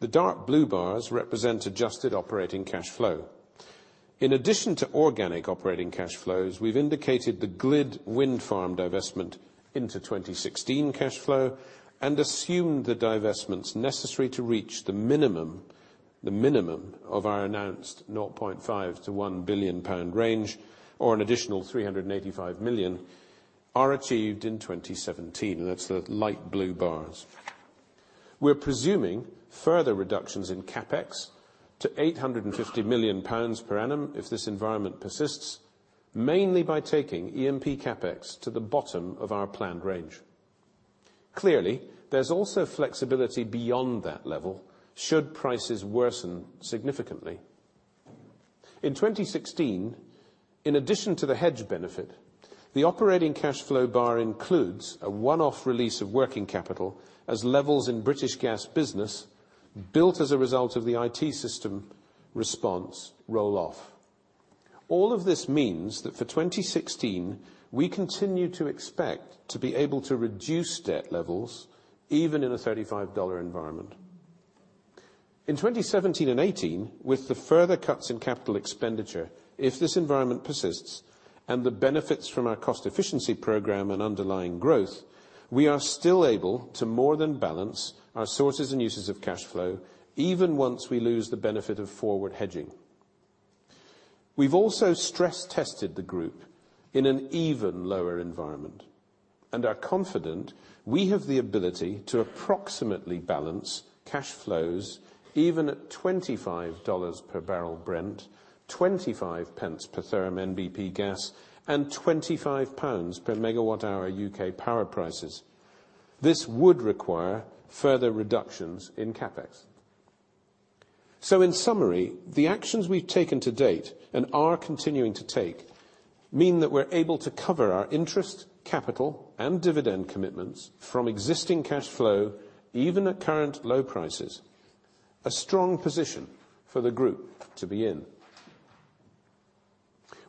The dark blue bars represent adjusted operating cash flow. In addition to organic operating cash flows, we've indicated the GLID wind farm divestment into 2016 cash flow and assumed the divestments necessary to reach the minimum of our announced 0.5 billion-1 billion pound range, or an additional 385 million, are achieved in 2017. That's the light blue bars. We're presuming further reductions in CapEx to 850 million pounds per annum if this environment persists, mainly by taking E&P CapEx to the bottom of our planned range. Clearly, there's also flexibility beyond that level, should prices worsen significantly. In 2016, in addition to the hedge benefit, the operating cash flow bar includes a one-off release of working capital, as levels in British Gas Business built as a result of the IT system response roll-off. All of this means that for 2016, we continue to expect to be able to reduce debt levels, even in a $35 environment. In 2017 and 2018, with the further cuts in CapEx if this environment persists and the benefits from our cost efficiency program and underlying growth, we are still able to more than balance our sources and uses of cash flow even once we lose the benefit of forward hedging. We've also stress-tested the group in an even lower environment and are confident we have the ability to approximately balance cash flows, even at $25 per barrel Brent, 0.25 per therm NBP gas, and 25 pounds per megawatt hour U.K. power prices. This would require further reductions in CapEx. In summary, the actions we've taken to date and are continuing to take mean that we're able to cover our interest, capital, and dividend commitments from existing cash flow, even at current low prices, a strong position for the group to be in.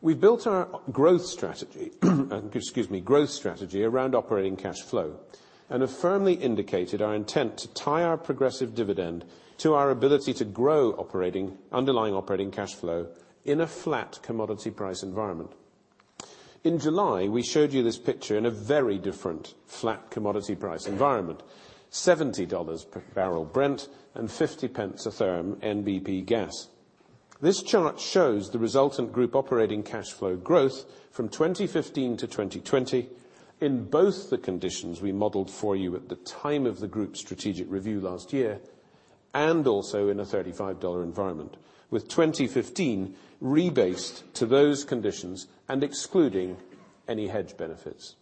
We have built our growth strategy around operating cash flow and have firmly indicated our intent to tie our progressive dividend to our ability to grow underlying operating cash flow in a flat commodity price environment. In July, we showed you this picture in a very different flat commodity price environment: $70 per barrel Brent and 0.50 a therm NBP gas. This chart shows the resultant group operating cash flow growth from 2015-2020 in both the conditions we modeled for you at the time of the group's strategic review last year, and also in a GBP 35 environment, with 2015 rebased to those conditions and excluding any hedge benefits.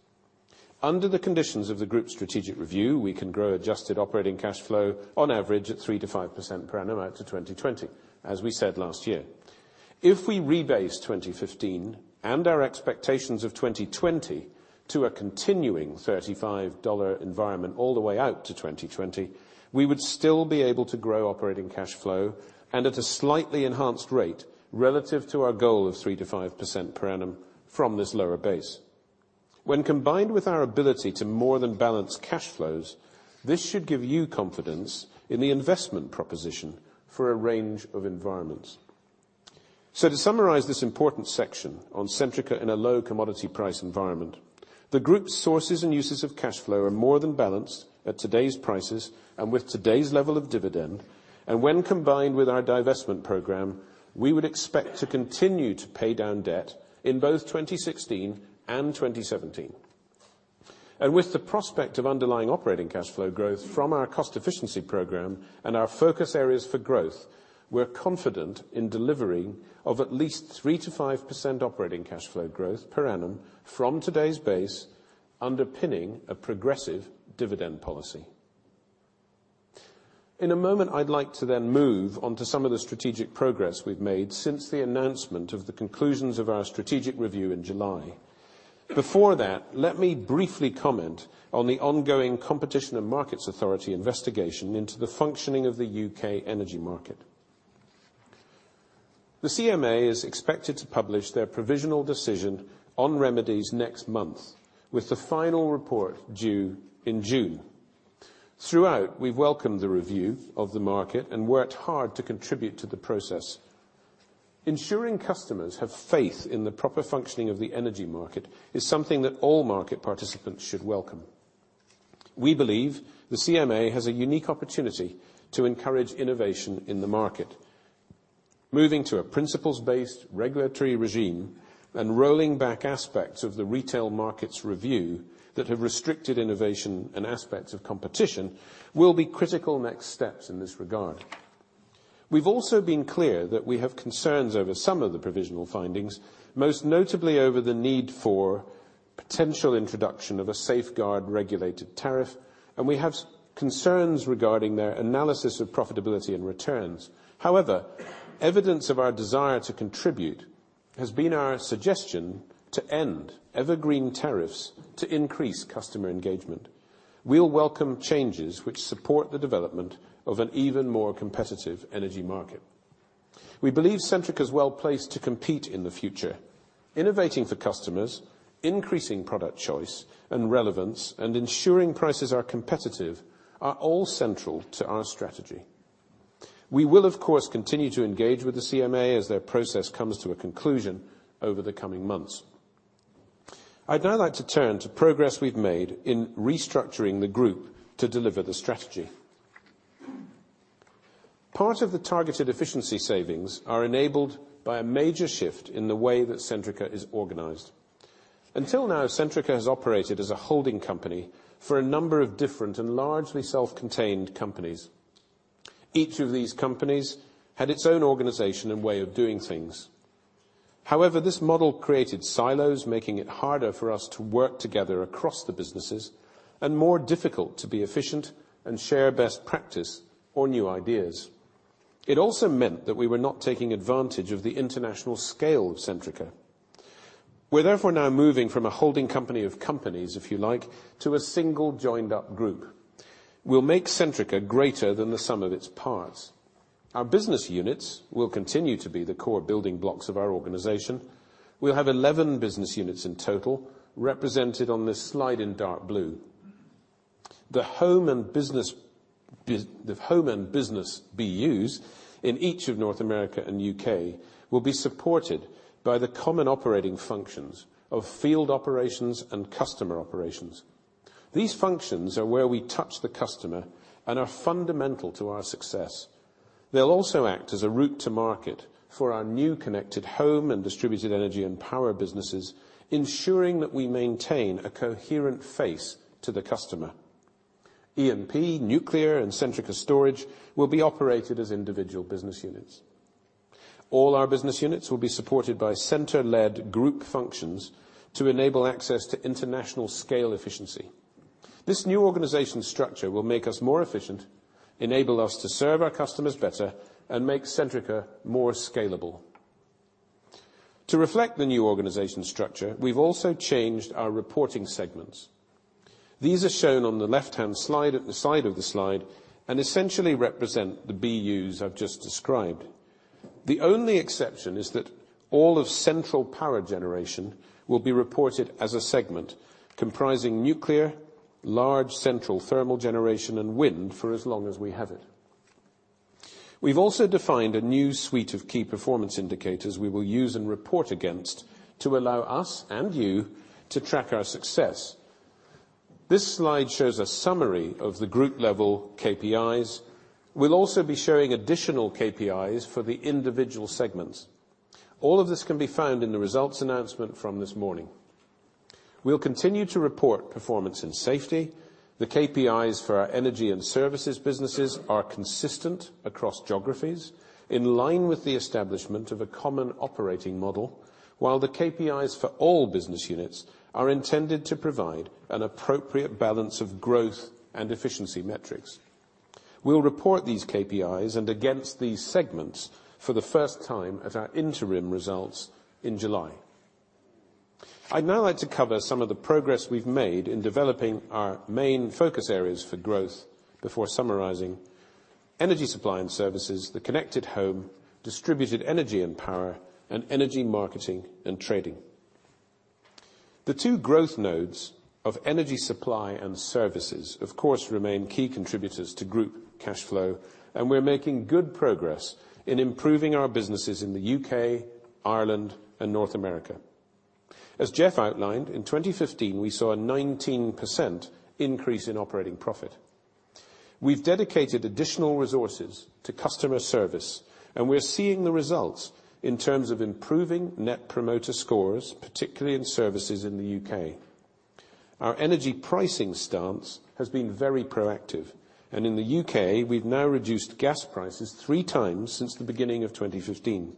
Under the conditions of the group's strategic review, we can grow adjusted operating cash flow on average at 3%-5% per annum out to 2020, as we said last year. If we rebase 2015 and our expectations of 2020 to a continuing GBP 35 environment all the way out to 2020, we would still be able to grow operating cash flow, and at a slightly enhanced rate relative to our goal of 3%-5% per annum from this lower base. When combined with our ability to more than balance cash flows, this should give you confidence in the investment proposition for a range of environments. To summarize this important section on Centrica in a low commodity price environment, the group's sources and uses of cash flow are more than balanced at today's prices and with today's level of dividend. When combined with our divestment program, we would expect to continue to pay down debt in both 2016 and 2017. With the prospect of underlying operating cash flow growth from our cost efficiency program and our focus areas for growth, we are confident in delivering of at least 3%-5% operating cash flow growth per annum from today's base, underpinning a progressive dividend policy. In a moment, I would like to then move on to some of the strategic progress we have made since the announcement of the conclusions of our strategic review in July. Before that, let me briefly comment on the ongoing Competition and Markets Authority investigation into the functioning of the U.K. energy market. The CMA is expected to publish their provisional decision on remedies next month, with the final report due in June. Throughout, we have welcomed the review of the market and worked hard to contribute to the process. Ensuring customers have faith in the proper functioning of the energy market is something that all market participants should welcome. We believe the CMA has a unique opportunity to encourage innovation in the market. Moving to a principles-based regulatory regime and rolling back aspects of the retail market's review that have restricted innovation and aspects of competition will be critical next steps in this regard. We have also been clear that we have concerns over some of the provisional findings, most notably over the need for potential introduction of a safeguard regulated tariff, and we have concerns regarding their analysis of profitability and returns. However, evidence of our desire to contribute has been our suggestion to end evergreen tariffs to increase customer engagement. We will welcome changes which support the development of an even more competitive energy market. We believe Centrica is well-placed to compete in the future. Innovating for customers, increasing product choice and relevance, and ensuring prices are competitive are all central to our strategy. We will, of course, continue to engage with the CMA as their process comes to a conclusion over the coming months. I'd now like to turn to progress we've made in restructuring the group to deliver the strategy. Part of the targeted efficiency savings are enabled by a major shift in the way that Centrica is organized. Until now, Centrica has operated as a holding company for a number of different and largely self-contained companies. Each of these companies had its own organization and way of doing things. However, this model created silos, making it harder for us to work together across the businesses and more difficult to be efficient and share best practice or new ideas. It also meant that we were not taking advantage of the international scale of Centrica. We're therefore now moving from a holding company of companies, if you like, to a single joined-up group. We'll make Centrica greater than the sum of its parts. Our business units will continue to be the core building blocks of our organization. We'll have 11 business units in total, represented on this slide in dark blue. The home and business BUs in each of North America and U.K. will be supported by the common operating functions of field operations and customer operations. These functions are where we touch the customer and are fundamental to our success. They'll also act as a route to market for our new connected home and distributed energy and power businesses, ensuring that we maintain a coherent face to the customer. EMP, Nuclear, and Centrica Storage will be operated as individual business units. All our business units will be supported by center-led group functions to enable access to international scale efficiency. This new organization structure will make us more efficient, enable us to serve our customers better, and make Centrica more scalable. To reflect the new organization structure, we've also changed our reporting segments. These are shown on the left-hand side of the slide, and essentially represent the BUs I've just described. The only exception is that all of Central Power Generation will be reported as a segment comprising nuclear, large central thermal generation, and wind for as long as we have it. We've also defined a new suite of key performance indicators we will use and report against to allow us and you to track our success. This slide shows a summary of the group-level KPIs. We'll also be showing additional KPIs for the individual segments. All of this can be found in the results announcement from this morning. We'll continue to report performance and safety. The KPIs for our energy and services businesses are consistent across geographies, in line with the establishment of a common operating model, while the KPIs for all business units are intended to provide an appropriate balance of growth and efficiency metrics. We'll report these KPIs and against these segments for the first time at our interim results in July. I'd now like to cover some of the progress we've made in developing our main focus areas for growth before summarizing energy supply and services, the connected home, distributed energy and power, and energy marketing and trading. The two growth nodes of energy supply and services, of course, remain key contributors to group cash flow, and we are making good progress in improving our businesses in the U.K., Ireland, and North America. As Jeff outlined, in 2015, we saw a 19% increase in operating profit. We have dedicated additional resources to customer service, and we are seeing the results in terms of improving Net Promoter Scores, particularly in services in the U.K. Our energy pricing stance has been very proactive, and in the U.K., we have now reduced gas prices three times since the beginning of 2015.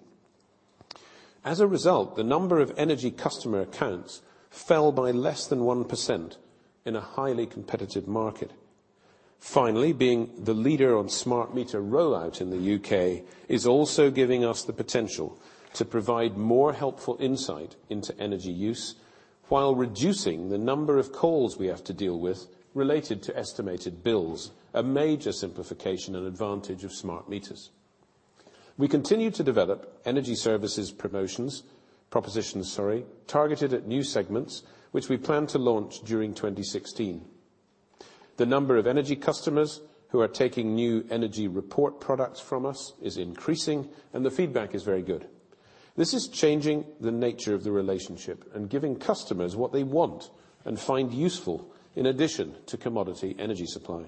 As a result, the number of energy customer accounts fell by less than 1% in a highly competitive market. Finally, being the leader on smart meter rollout in the U.K. is also giving us the potential to provide more helpful insight into energy use while reducing the number of calls we have to deal with related to estimated bills, a major simplification and advantage of smart meters. We continue to develop energy services promotions, propositions, sorry, targeted at new segments, which we plan to launch during 2016. The number of energy customers who are taking new My Energy Report products from us is increasing, and the feedback is very good. This is changing the nature of the relationship and giving customers what they want and find useful in addition to commodity energy supply.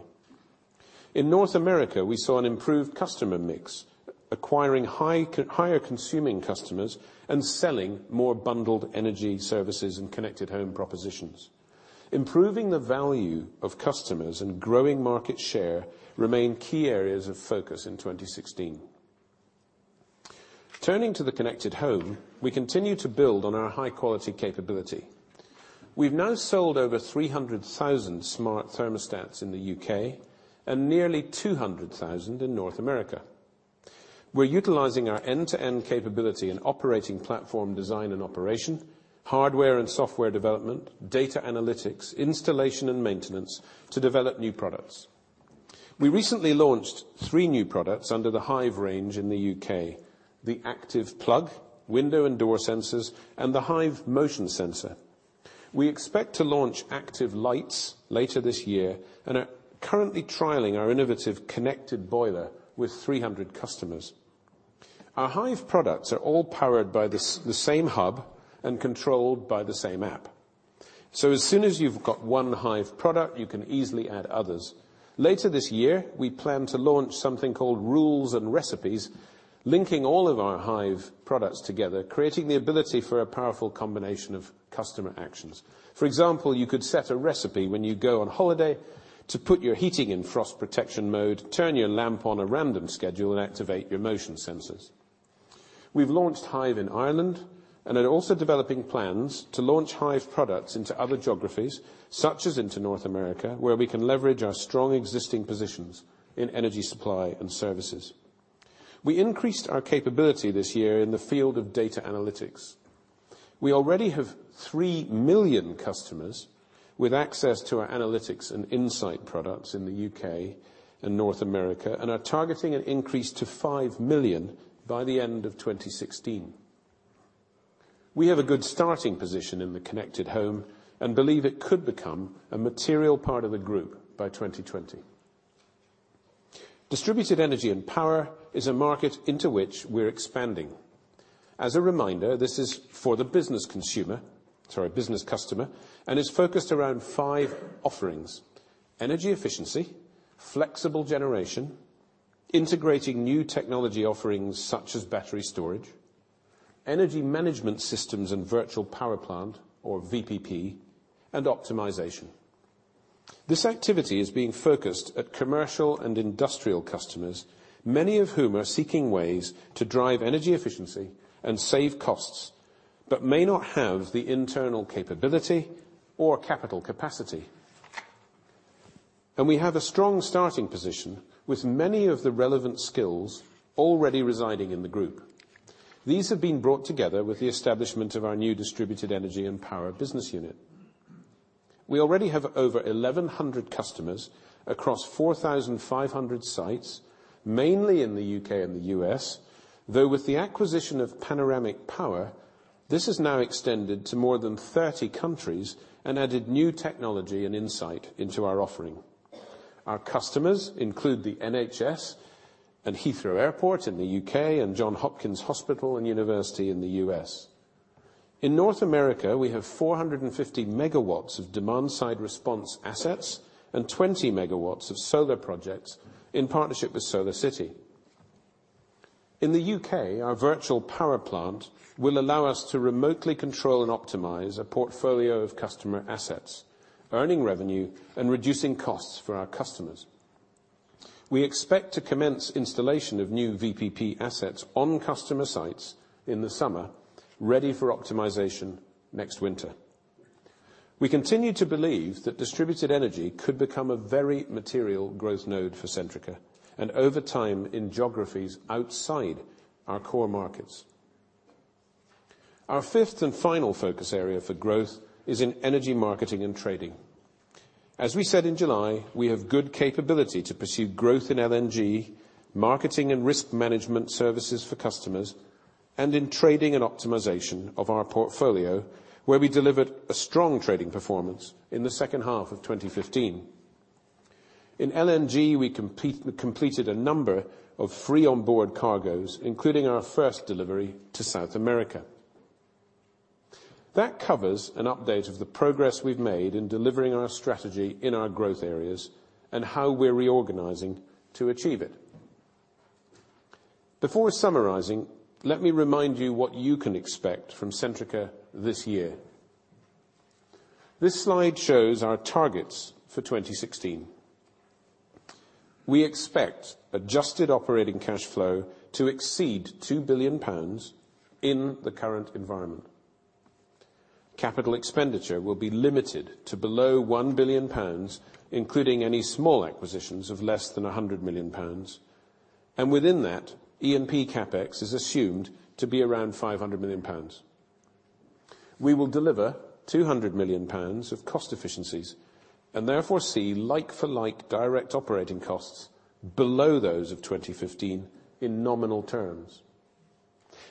In North America, we saw an improved customer mix, acquiring higher consuming customers and selling more bundled energy services and connected home propositions. Improving the value of customers and growing market share remain key areas of focus in 2016. Turning to the connected home, we continue to build on our high-quality capability. We have now sold over 300,000 smart thermostats in the U.K. and nearly 200,000 in North America. We are utilizing our end-to-end capability in operating platform design and operation, hardware and software development, data analytics, installation, and maintenance to develop new products. We recently launched three new products under the Hive range in the U.K., the Active Plug, window and door sensors, and the Hive Motion Sensor. We expect to launch Active Lights later this year and are currently trialing our innovative connected boiler with 300 customers. Our Hive products are all powered by the same hub and controlled by the same app. As soon as you have got one Hive product, you can easily add others. Later this year, we plan to launch something called Rules and Recipes, linking all of our Hive products together, creating the ability for a powerful combination of customer actions. For example, you could set a recipe when you go on holiday to put your heating in frost protection mode, turn your lamp on a random schedule, and activate your motion sensors. We have launched Hive in Ireland and are also developing plans to launch Hive products into other geographies, such as into North America, where we can leverage our strong existing positions in energy supply and services. We increased our capability this year in the field of data analytics. We already have 3 million customers with access to our analytics and insight products in the U.K. and North America and are targeting an increase to 5 million by the end of 2016. We have a good starting position in the connected home and believe it could become a material part of the group by 2020. Distributed energy and power is a market into which we're expanding. As a reminder, this is for the business consumer, sorry, business customer, and is focused around five offerings: energy efficiency, flexible generation, integrating new technology offerings such as battery storage, energy management systems and virtual power plant, or VPP, and optimization. This activity is being focused at commercial and industrial customers, many of whom are seeking ways to drive energy efficiency and save costs but may not have the internal capability or capital capacity. We have a strong starting position with many of the relevant skills already residing in the group. These have been brought together with the establishment of our new distributed energy and power business unit. We already have over 1,100 customers across 4,500 sites, mainly in the U.K. and the U.S., though with the acquisition of Panoramic Power, this has now extended to more than 30 countries and added new technology and insight into our offering. Our customers include the NHS and Heathrow Airport in the U.K. and Johns Hopkins Hospital and University in the U.S. In North America, we have 450 megawatts of demand-side response assets and 20 megawatts of solar projects in partnership with SolarCity. In the U.K., our virtual power plant will allow us to remotely control and optimize a portfolio of customer assets, earning revenue and reducing costs for our customers. We expect to commence installation of new VPP assets on customer sites in the summer, ready for optimization next winter. We continue to believe that distributed energy could become a very material growth node for Centrica, and over time, in geographies outside our core markets. Our fifth and final focus area for growth is in energy marketing and trading. As we said in July, we have good capability to pursue growth in LNG, marketing and risk management services for customers, and in trading and optimization of our portfolio, where we delivered a strong trading performance in the second half of 2015. In LNG, we completed a number of free onboard cargoes, including our first delivery to South America. That covers an update of the progress we've made in delivering our strategy in our growth areas, and how we're reorganizing to achieve it. Before summarizing, let me remind you what you can expect from Centrica this year. This slide shows our targets for 2016. We expect adjusted operating cash flow to exceed 2 billion pounds in the current environment. Capital expenditure will be limited to below GBP 1 billion, including any small acquisitions of less than GBP 100 million. And within that, E&P CapEx is assumed to be around GBP 500 million. We will deliver GBP 200 million of cost efficiencies, and therefore see like-for-like direct operating costs below those of 2015 in nominal terms.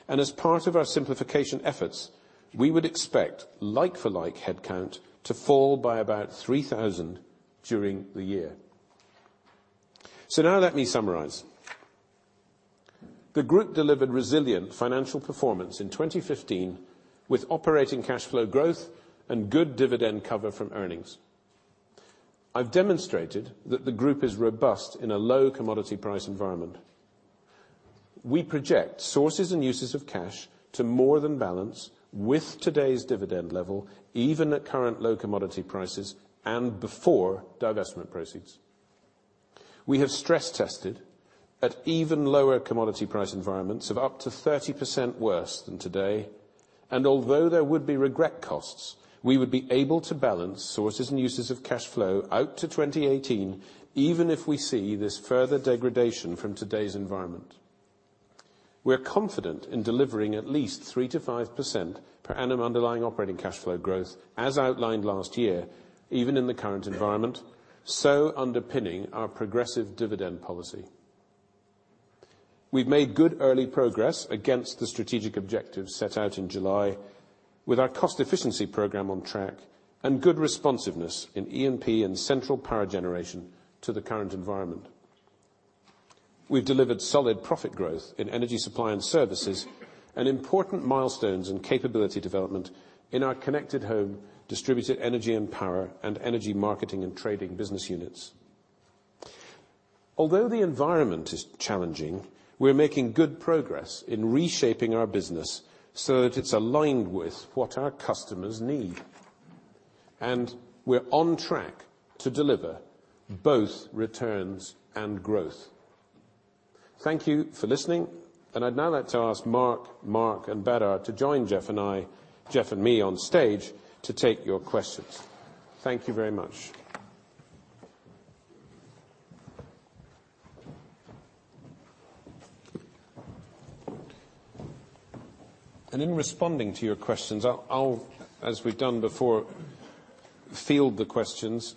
As part of our simplification efforts, we would expect like-for-like headcount to fall by about 3,000 during the year. Now let me summarize. The group delivered resilient financial performance in 2015, with operating cash flow growth and good dividend cover from earnings. I've demonstrated that the group is robust in a low commodity price environment. We project sources and uses of cash to more than balance with today's dividend level, even at current low commodity prices, and before divestment proceeds. We have stress-tested at even lower commodity price environments, of up to 30% worse than today. Although there would be regret costs, we would be able to balance sources and uses of cash flow out to 2018, even if we see this further degradation from today's environment. We're confident in delivering at least 3%-5% per annum underlying operating cash flow growth, as outlined last year, underpinning our progressive dividend policy. We've made good early progress against the strategic objectives set out in July, with our cost efficiency program on track, and good responsiveness in E&P and central power generation to the current environment. We've delivered solid profit growth in energy supply and services, and important milestones in capability development in our connected home, distributed energy and power, and energy marketing and trading business units. Although the environment is challenging, we're making good progress in reshaping our business so that it's aligned with what our customers need. We're on track to deliver both returns and growth. Thank you for listening, and I'd now like to ask Mark, and Badar to join Jeff and me on stage to take your questions. Thank you very much. In responding to your questions, I'll, as we've done before, field the questions.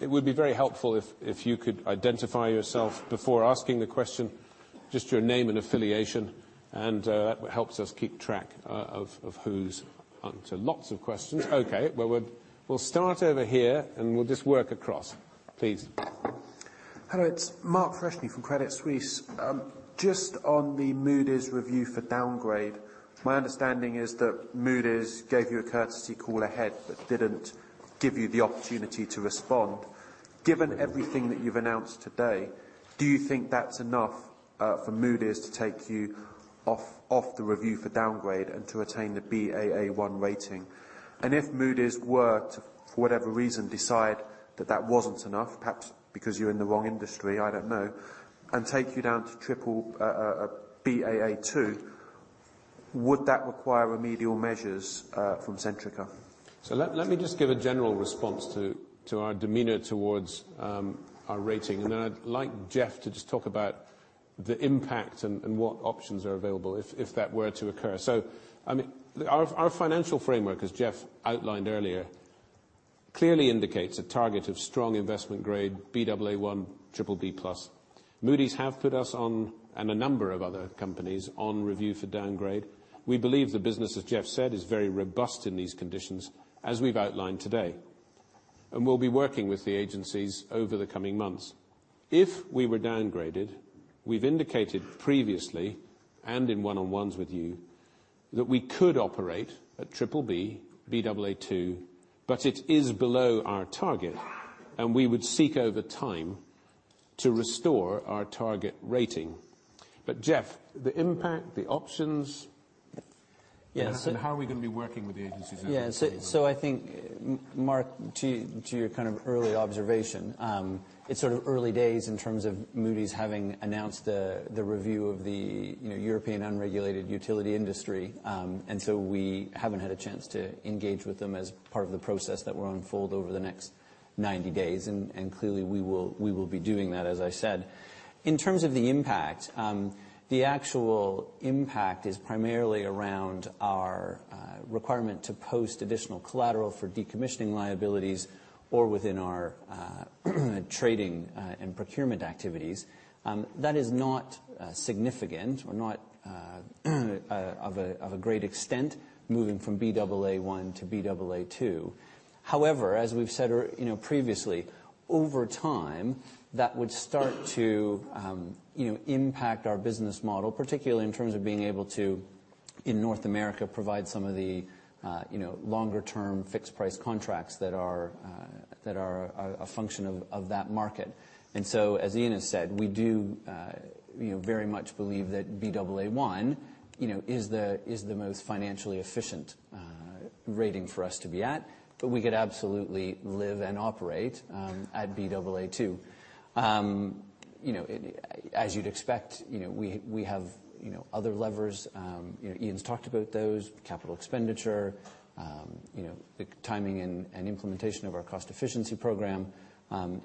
It would be very helpful if you could identify yourself before asking the question, just your name and affiliation, and that helps us keep track of who's. Answer lots of questions. Okay. Well, we'll start over here, and we'll just work across. Please. Hello, it's Mark Freshney from Credit Suisse. Just on the Moody's review for downgrade, my understanding is that Moody's gave you a courtesy call ahead that didn't give you the opportunity to respond. Given everything that you've announced today, do you think that's enough for Moody's to take you off the review for downgrade and to attain the Baa1 rating? If Moody's were to, for whatever reason, decide that that wasn't enough, perhaps because you're in the wrong industry, I don't know, and take you down to Baa2, would that require remedial measures from Centrica? Let me just give a general response to our demeanor towards our rating. Then I'd like Jeff to just talk about the impact and what options are available if that were to occur. Our financial framework, as Jeff outlined earlier, clearly indicates a target of strong investment-grade, Baa1, BBB+. Moody's have put us on, and a number of other companies, on review for downgrade. We believe the business, as Jeff said, is very robust in these conditions, as we've outlined today. We'll be working with the agencies over the coming months. If we were downgraded, we've indicated previously, and in one-on-ones with you, that we could operate at BBB, Baa2, but it is below our target, and we would seek over time to restore our target rating. Jeff, the impact, the options Yes. How are we going to be working with the agencies over the coming months? I think, Mark, to your early observation, it's early days in terms of Moody's having announced the review of the European unregulated utility industry. We haven't had a chance to engage with them as part of the process that will unfold over the next 90 days. Clearly, we will be doing that, as I said. In terms of the impact, the actual impact is primarily around our requirement to post additional collateral for decommissioning liabilities or within our trading and procurement activities. That is not significant or not of a great extent, moving from Baa1 to Baa2. However, as we've said previously, over time, that would start to impact our business model, particularly in terms of being able to, in North America, provide some of the longer-term fixed price contracts that are a function of that market. As Iain has said, we do very much believe that Baa1 is the most financially efficient rating for us to be at, but we could absolutely live and operate at Baa2. As you'd expect, we have other levers. Iain's talked about those, capital expenditure, the timing and implementation of our cost efficiency program, and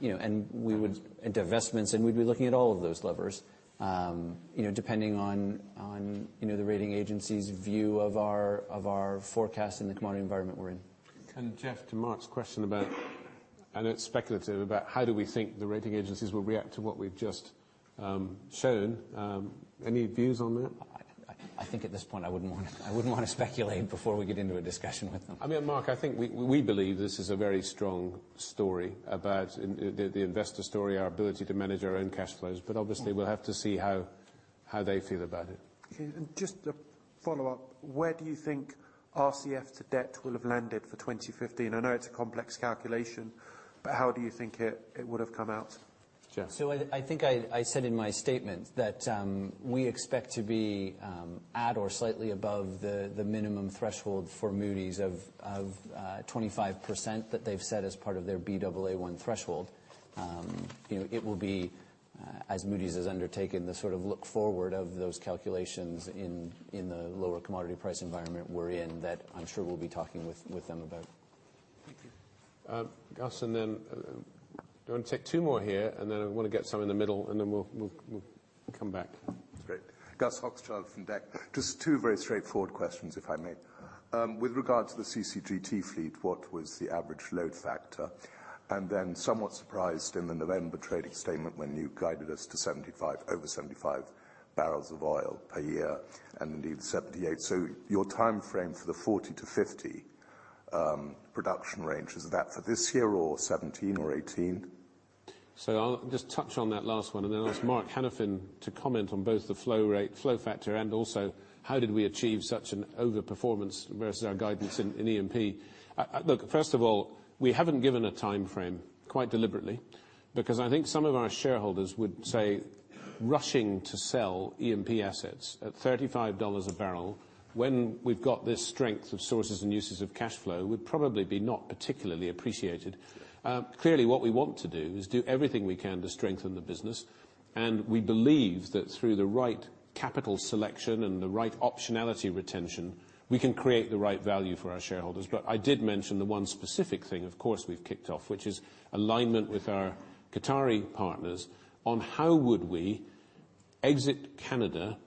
divestments. We'd be looking at all of those levers depending on the rating agency's view of our forecast and the commodity environment we're in. Jeff, to Mark's question about, I know it's speculative, about how do we think the rating agencies will react to what we've just shown. Any views on that? I think at this point I wouldn't want to speculate before we get into a discussion with them. Mark, I think we believe this is a very strong story about the investor story, our ability to manage our own cash flows. Obviously we'll have to see how they feel about it. Okay. Just a follow-up, where do you think RCF to debt will have landed for 2015? I know it's a complex calculation, how do you think it would have come out? Jeff? I think I said in my statement that we expect to be at or slightly above the minimum threshold for Moody's of 25% that they've set as part of their Baa1 threshold. It will be, as Moody's has undertaken, the sort of look-forward of those calculations in the lower commodity price environment we're in that I'm sure we'll be talking with them about. Thank you. Gus, I want to take two more here, I want to get some in the middle, then we'll come back. That's great. Gus Hochschild from DECC. Just two very straightforward questions, if I may. With regard to the CCGT fleet, what was the average load factor? Somewhat surprised in the November trading statement when you guided us to over 75 barrels of oil per year, and indeed 78. Your timeframe for the 40-50 production range, is that for this year or 2017 or 2018? I'll just touch on that last one then ask Mark Hanafin to comment on both the load factor and also how did we achieve such an over-performance versus our guidance in E&P. Look, first of all, we haven't given a timeframe quite deliberately because I think some of our shareholders would say rushing to sell E&P assets at $35 a barrel when we've got this strength of sources and uses of cash flow would probably be not particularly appreciated. Clearly, what we want to do is do everything we can to strengthen the business. We believe that through the right capital selection and the right optionality retention, we can create the right value for our shareholders. I did mention the one specific thing, of course, we've kicked off, which is alignment with our Qatari partners on how would we exit Canada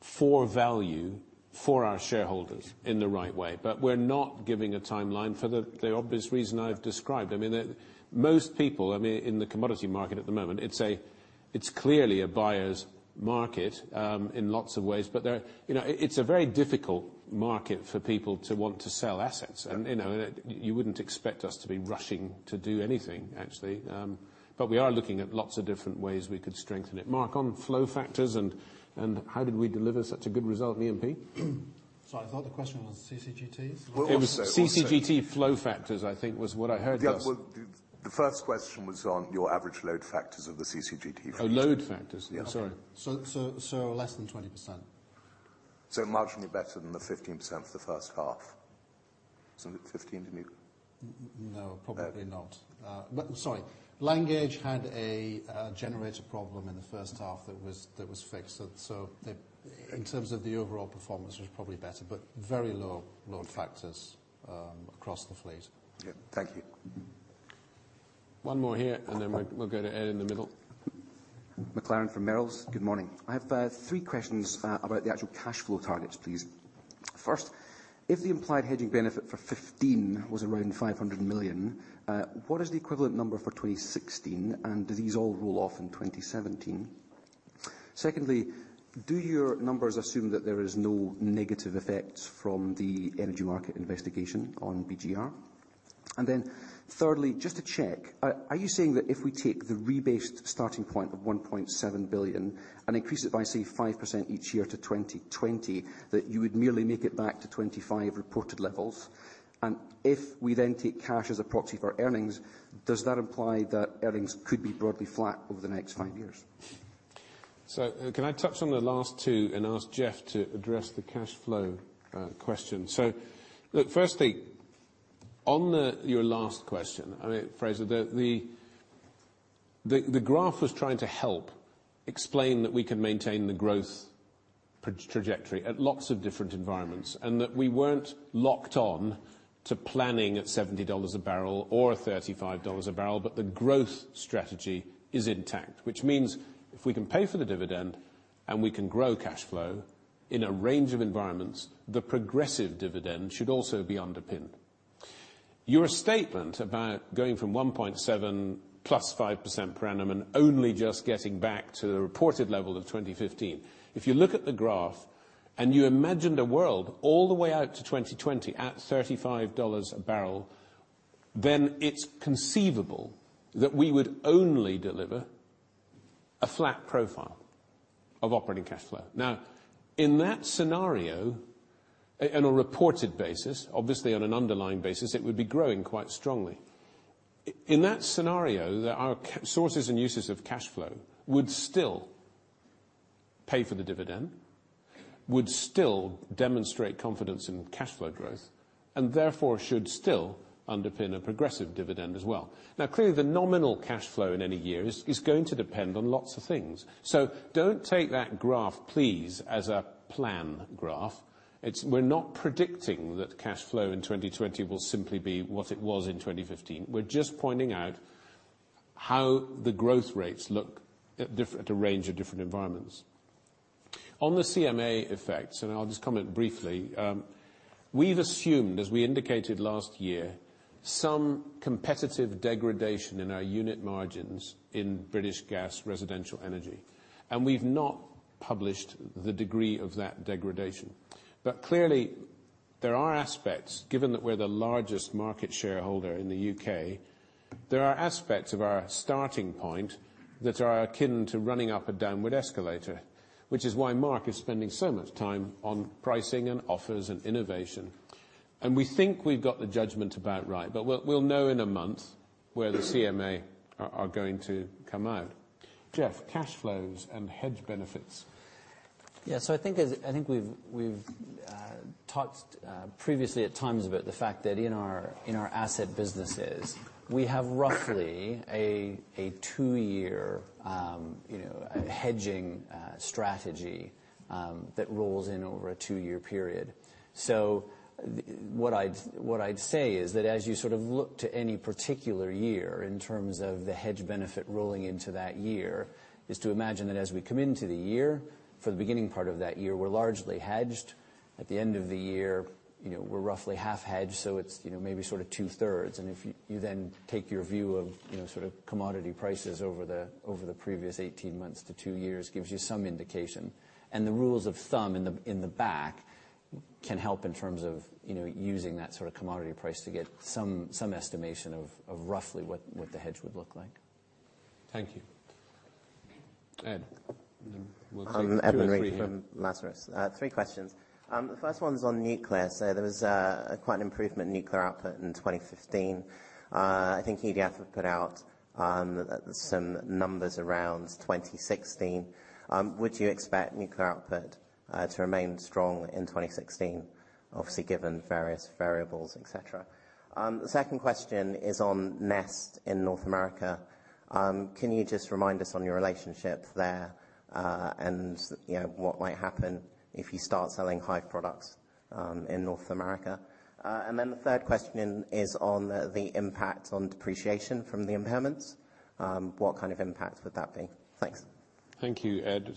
for value for our shareholders in the right way. We're not giving a timeline for the obvious reason I've described. Most people in the commodity market at the moment, it's clearly a buyer's market in lots of ways, but it's a very difficult market for people to want to sell assets. You wouldn't expect us to be rushing to do anything, actually. We are looking at lots of different ways we could strengthen it. Mark, on flow factors and how did we deliver such a good result in E&P? Sorry, I thought the question was CCGTs. It was CCGT flow factors, I think was what I heard, Gus. The first question was on your average load factors of the CCGT fleet. Oh, load factors. Yeah. Sorry. Less than 20%. Marginally better than the 15% for the first half. Was it 15, do you- No, probably not. Sorry. Langage had a generator problem in the first half that was fixed. In terms of the overall performance, it was probably better, but very low load factors across the fleet. Yeah. Thank you. One more here, then we'll go to Ed in the middle. McLaren from Merrill's. Good morning. I have three questions about the actual cash flow targets, please. First, if the implied hedging benefit for 2015 was around 500 million, what is the equivalent number for 2016, and do these all roll off in 2017? Secondly, do your numbers assume that there is no negative effects from the energy market investigation on BGR? Thirdly, just to check, are you saying that if we take the rebased starting point of 1.7 billion and increase it by, say, 5% each year to 2020, that you would merely make it back to 2025 reported levels? If we then take cash as a proxy for earnings, does that imply that earnings could be broadly flat over the next five years? Can I touch on the last two and ask Jeff to address the cash flow question? Look, firstly, on your last question, Fraser, the graph was trying to help explain that we can maintain the growth trajectory at lots of different environments, and that we weren't locked on to planning at 70 dollars a barrel or 35 dollars a barrel, but the growth strategy is intact. Which means if we can pay for the dividend, and we can grow cash flow in a range of environments, the progressive dividend should also be underpinned. Your statement about going from 1.7 plus 5% per annum and only just getting back to the reported level of 2015, if you look at the graph, and you imagined a world all the way out to 2020 at 35 dollars a barrel, then it's conceivable that we would only deliver a flat profile of operating cash flow. In that scenario, in a reported basis, obviously on an underlying basis, it would be growing quite strongly. In that scenario, there are sources and uses of cash flow would still pay for the dividend, would still demonstrate confidence in cash flow growth, and therefore, should still underpin a progressive dividend as well. Clearly, the nominal cash flow in any year is going to depend on lots of things. Don't take that graph, please, as a plan graph. We're not predicting that cash flow in 2020 will simply be what it was in 2015. We're just pointing out how the growth rates look at a range of different environments. On the CMA effects, I'll just comment briefly, we've assumed, as we indicated last year, some competitive degradation in our unit margins in British Gas Residential Energy, and we've not published the degree of that degradation. Clearly, there are aspects, given that we're the largest market shareholder in the U.K., there are aspects of our starting point that are akin to running up a downward escalator, which is why Mark is spending so much time on pricing and offers and innovation. We think we've got the judgment about right, but we'll know in a month where the CMA are going to come out. Geoff, cash flows and hedge benefits. I think we've talked previously at times about the fact that in our asset businesses, we have roughly a two-year hedging strategy that rolls in over a two-year period. What I'd say is that as you look to any particular year in terms of the hedge benefit rolling into that year, is to imagine that as we come into the year, for the beginning part of that year, we're largely hedged. At the end of the year, we're roughly half hedged, so it's maybe two-thirds. If you then take your view of commodity prices over the previous 18 months to two years, gives you some indication. The rules of thumb in the back can help in terms of using that sort of commodity price to get some estimation of roughly what the hedge would look like. Thank you. Ed, then we'll take two or three here. Eric Murray from Lazard. Three questions. The first one's on nuclear. There was quite an improvement in nuclear output in 2015. I think EDF have put out some numbers around 2016. Would you expect nuclear output to remain strong in 2016, obviously, given various variables, et cetera? Second question is on Nest in North America. Can you just remind us on your relationship there, and what might happen if you start selling Hive products in North America? The third question is on the impact on depreciation from the impairments. What kind of impact would that be? Thanks. Thank you, Ed.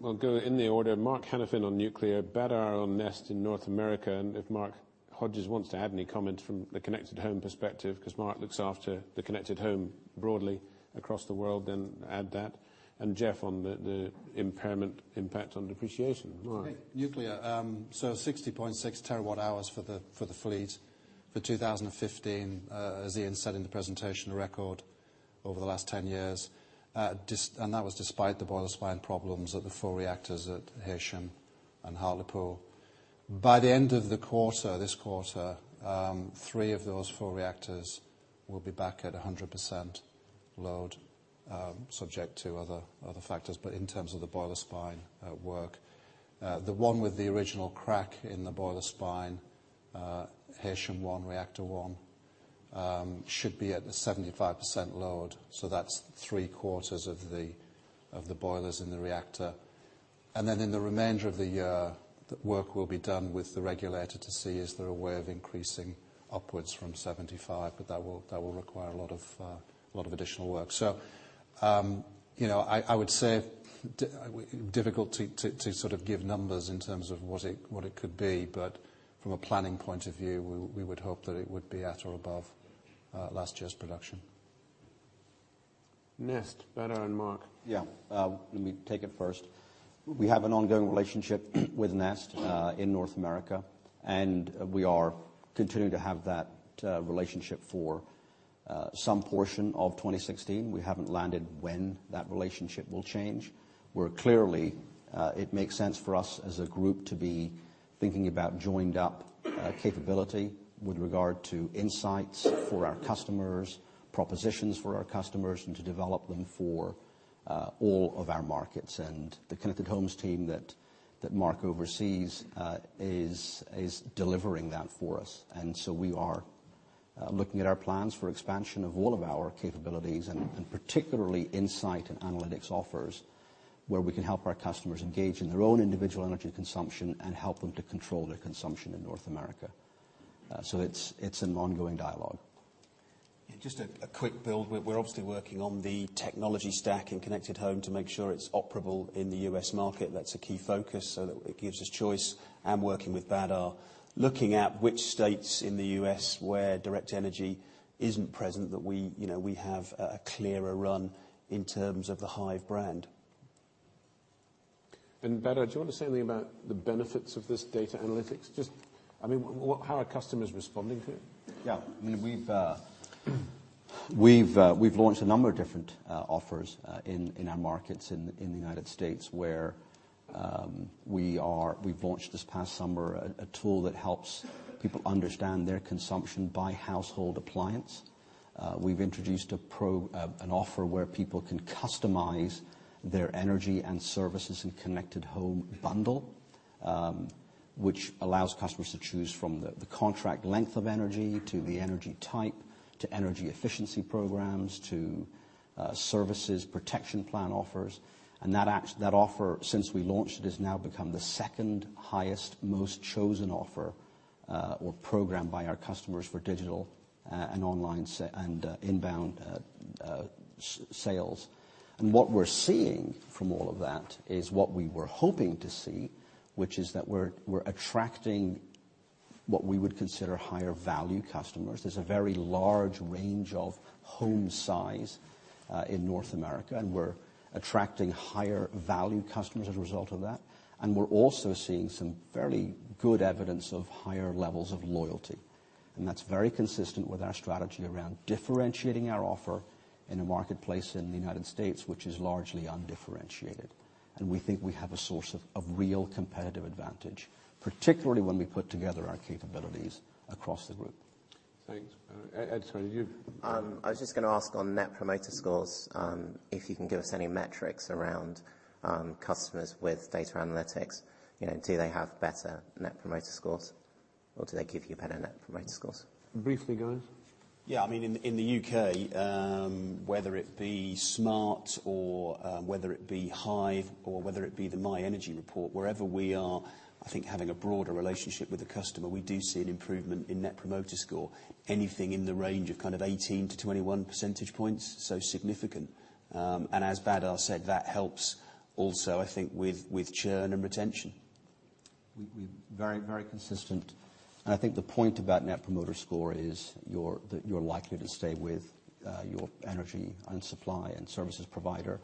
We'll go in the order. Mark Hanafin on nuclear, Badar on Nest in North America, if Mark Hodges wants to add any comment from the Connected Home perspective, because Mark looks after the Connected Home broadly across the world, add that. Geoff on the impairment impact on depreciation. Mark. Nuclear. 60.6 terawatt hours for the fleet for 2015. As Iain said in the presentation, a record over the last 10 years. That was despite the boiler spine problems at the four reactors at Heysham and Hartlepool. By the end of the quarter, this quarter, three of those four reactors will be back at 100% load, subject to other factors, but in terms of the boiler spine work. The one with the original crack in the boiler spine, Heysham One, reactor one, should be at the 75% load, so that's three-quarters of the boilers in the reactor. In the remainder of the year, work will be done with the regulator to see is there a way of increasing upwards from 75, but that will require a lot of additional work. I would say, difficult to give numbers in terms of what it could be, but from a planning point of view, we would hope that it would be at or above last year's production. Nest, Badar and Mark. Let me take it first. We have an ongoing relationship with Nest in North America. We are continuing to have that relationship for some portion of 2016. We haven't landed when that relationship will change, where clearly it makes sense for us as a group to be thinking about joined-up capability with regard to insights for our customers, propositions for our customers, and to develop them for all of our markets and the Connected Home team that Mark oversees is delivering that for us. We are looking at our plans for expansion of all of our capabilities and particularly insight and analytics offers, where we can help our customers engage in their own individual energy consumption and help them to control their consumption in North America. It's an ongoing dialogue. Just a quick build. We're obviously working on the technology stack in Connected Home to make sure it's operable in the U.S. market. That's a key focus so that it gives us choice and working with Badar, looking at which states in the U.S. where Direct Energy isn't present, that we have a clearer run in terms of the Hive brand. Badar, do you want to say anything about the benefits of this data analytics? Just how are customers responding to it? Yeah. We've launched a number of different offers in our markets in the U.S., where we've launched this past summer a tool that helps people understand their consumption by household appliance. We've introduced an offer where people can customize their energy and services in Connected Home bundle, which allows customers to choose from the contract length of energy, to the energy type, to energy efficiency programs, to services protection plan offers. That offer, since we launched, it has now become the second highest most chosen offer or program by our customers for digital and inbound sales. What we're seeing from all of that is what we were hoping to see, which is that we're attracting what we would consider higher value customers. There's a very large range of home size in North America, and we're attracting higher value customers as a result of that. We're also seeing some fairly good evidence of higher levels of loyalty. That's very consistent with our strategy around differentiating our offer in a marketplace in the U.S., which is largely undifferentiated. We think we have a source of real competitive advantage, particularly when we put together our capabilities across the group. Thanks, Badar. Ed, sorry. I was just going to ask on Net Promoter Scores, if you can give us any metrics around customers with data analytics. Do they have better Net Promoter Scores or do they give you better Net Promoter Scores? Briefly, guys. Yeah, in the U.K., whether it be Smart or whether it be Hive or whether it be the My Energy Report, wherever we are, I think having a broader relationship with the customer, we do see an improvement in Net Promoter Score. Anything in the range of 18-21 percentage points, so significant. As Badar said, that helps also, I think with churn and retention. Very consistent. I think the point about Net Promoter Score is that you're likely to stay with your energy and supply and services provider,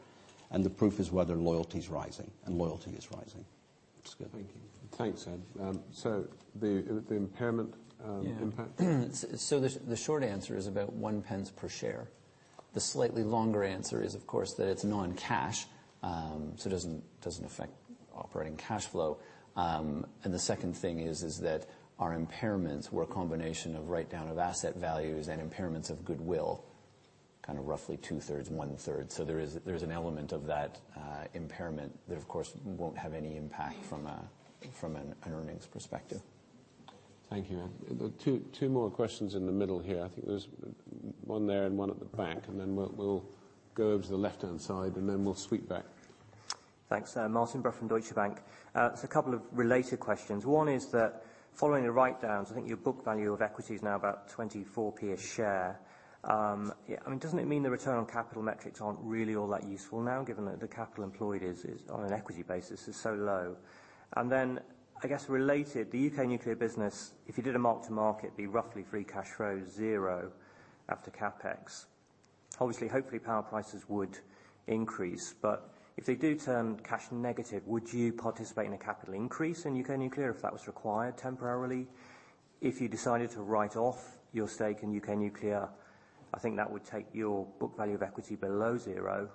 and the proof is whether loyalty's rising, and loyalty is rising. That's good. Thank you. Thanks, Ed. The impairment impact? The short answer is about 0.01 per share. The slightly longer answer is, of course, that it's non-cash, so it doesn't affect operating cash flow. The second thing is that our impairments were a combination of write-down of asset values and impairments of goodwill, roughly two-thirds, one-third. There is an element of that impairment that, of course, won't have any impact from an earnings perspective. Thank you. Two more questions in the middle here. I think there's one there and one at the back, we'll go over to the left-hand side, we'll sweep back. Thanks. Martin Brough from Deutsche Bank. It's a couple of related questions. One is that following the write-downs, I think your book value of equity is now about 0.24 a share. Doesn't it mean the return on capital metrics aren't really all that useful now, given that the capital employed is, on an equity basis, is so low? I guess related, the U.K. nuclear business, if you did a mark to market, it would be roughly free cash flow zero after CapEx. Obviously, hopefully power prices would increase, but if they do turn cash negative, would you participate in a capital increase in U.K. nuclear if that was required temporarily? If you decided to write off your stake in U.K. nuclear, I think that would take your book value of equity below zero,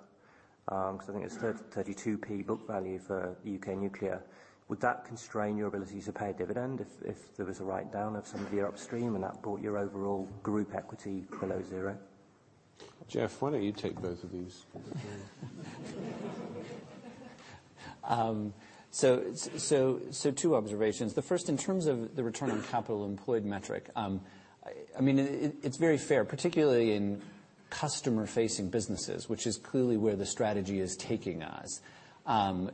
because I think it's 0.32 book value for U.K. nuclear. Would that constrain your ability to pay a dividend if there was a write-down of some of your upstream and that brought your overall group equity below zero? Jeff, why don't you take both of these? Two observations. The first, in terms of the return on capital employed metric, it's very fair, particularly in customer-facing businesses, which is clearly where the strategy is taking us.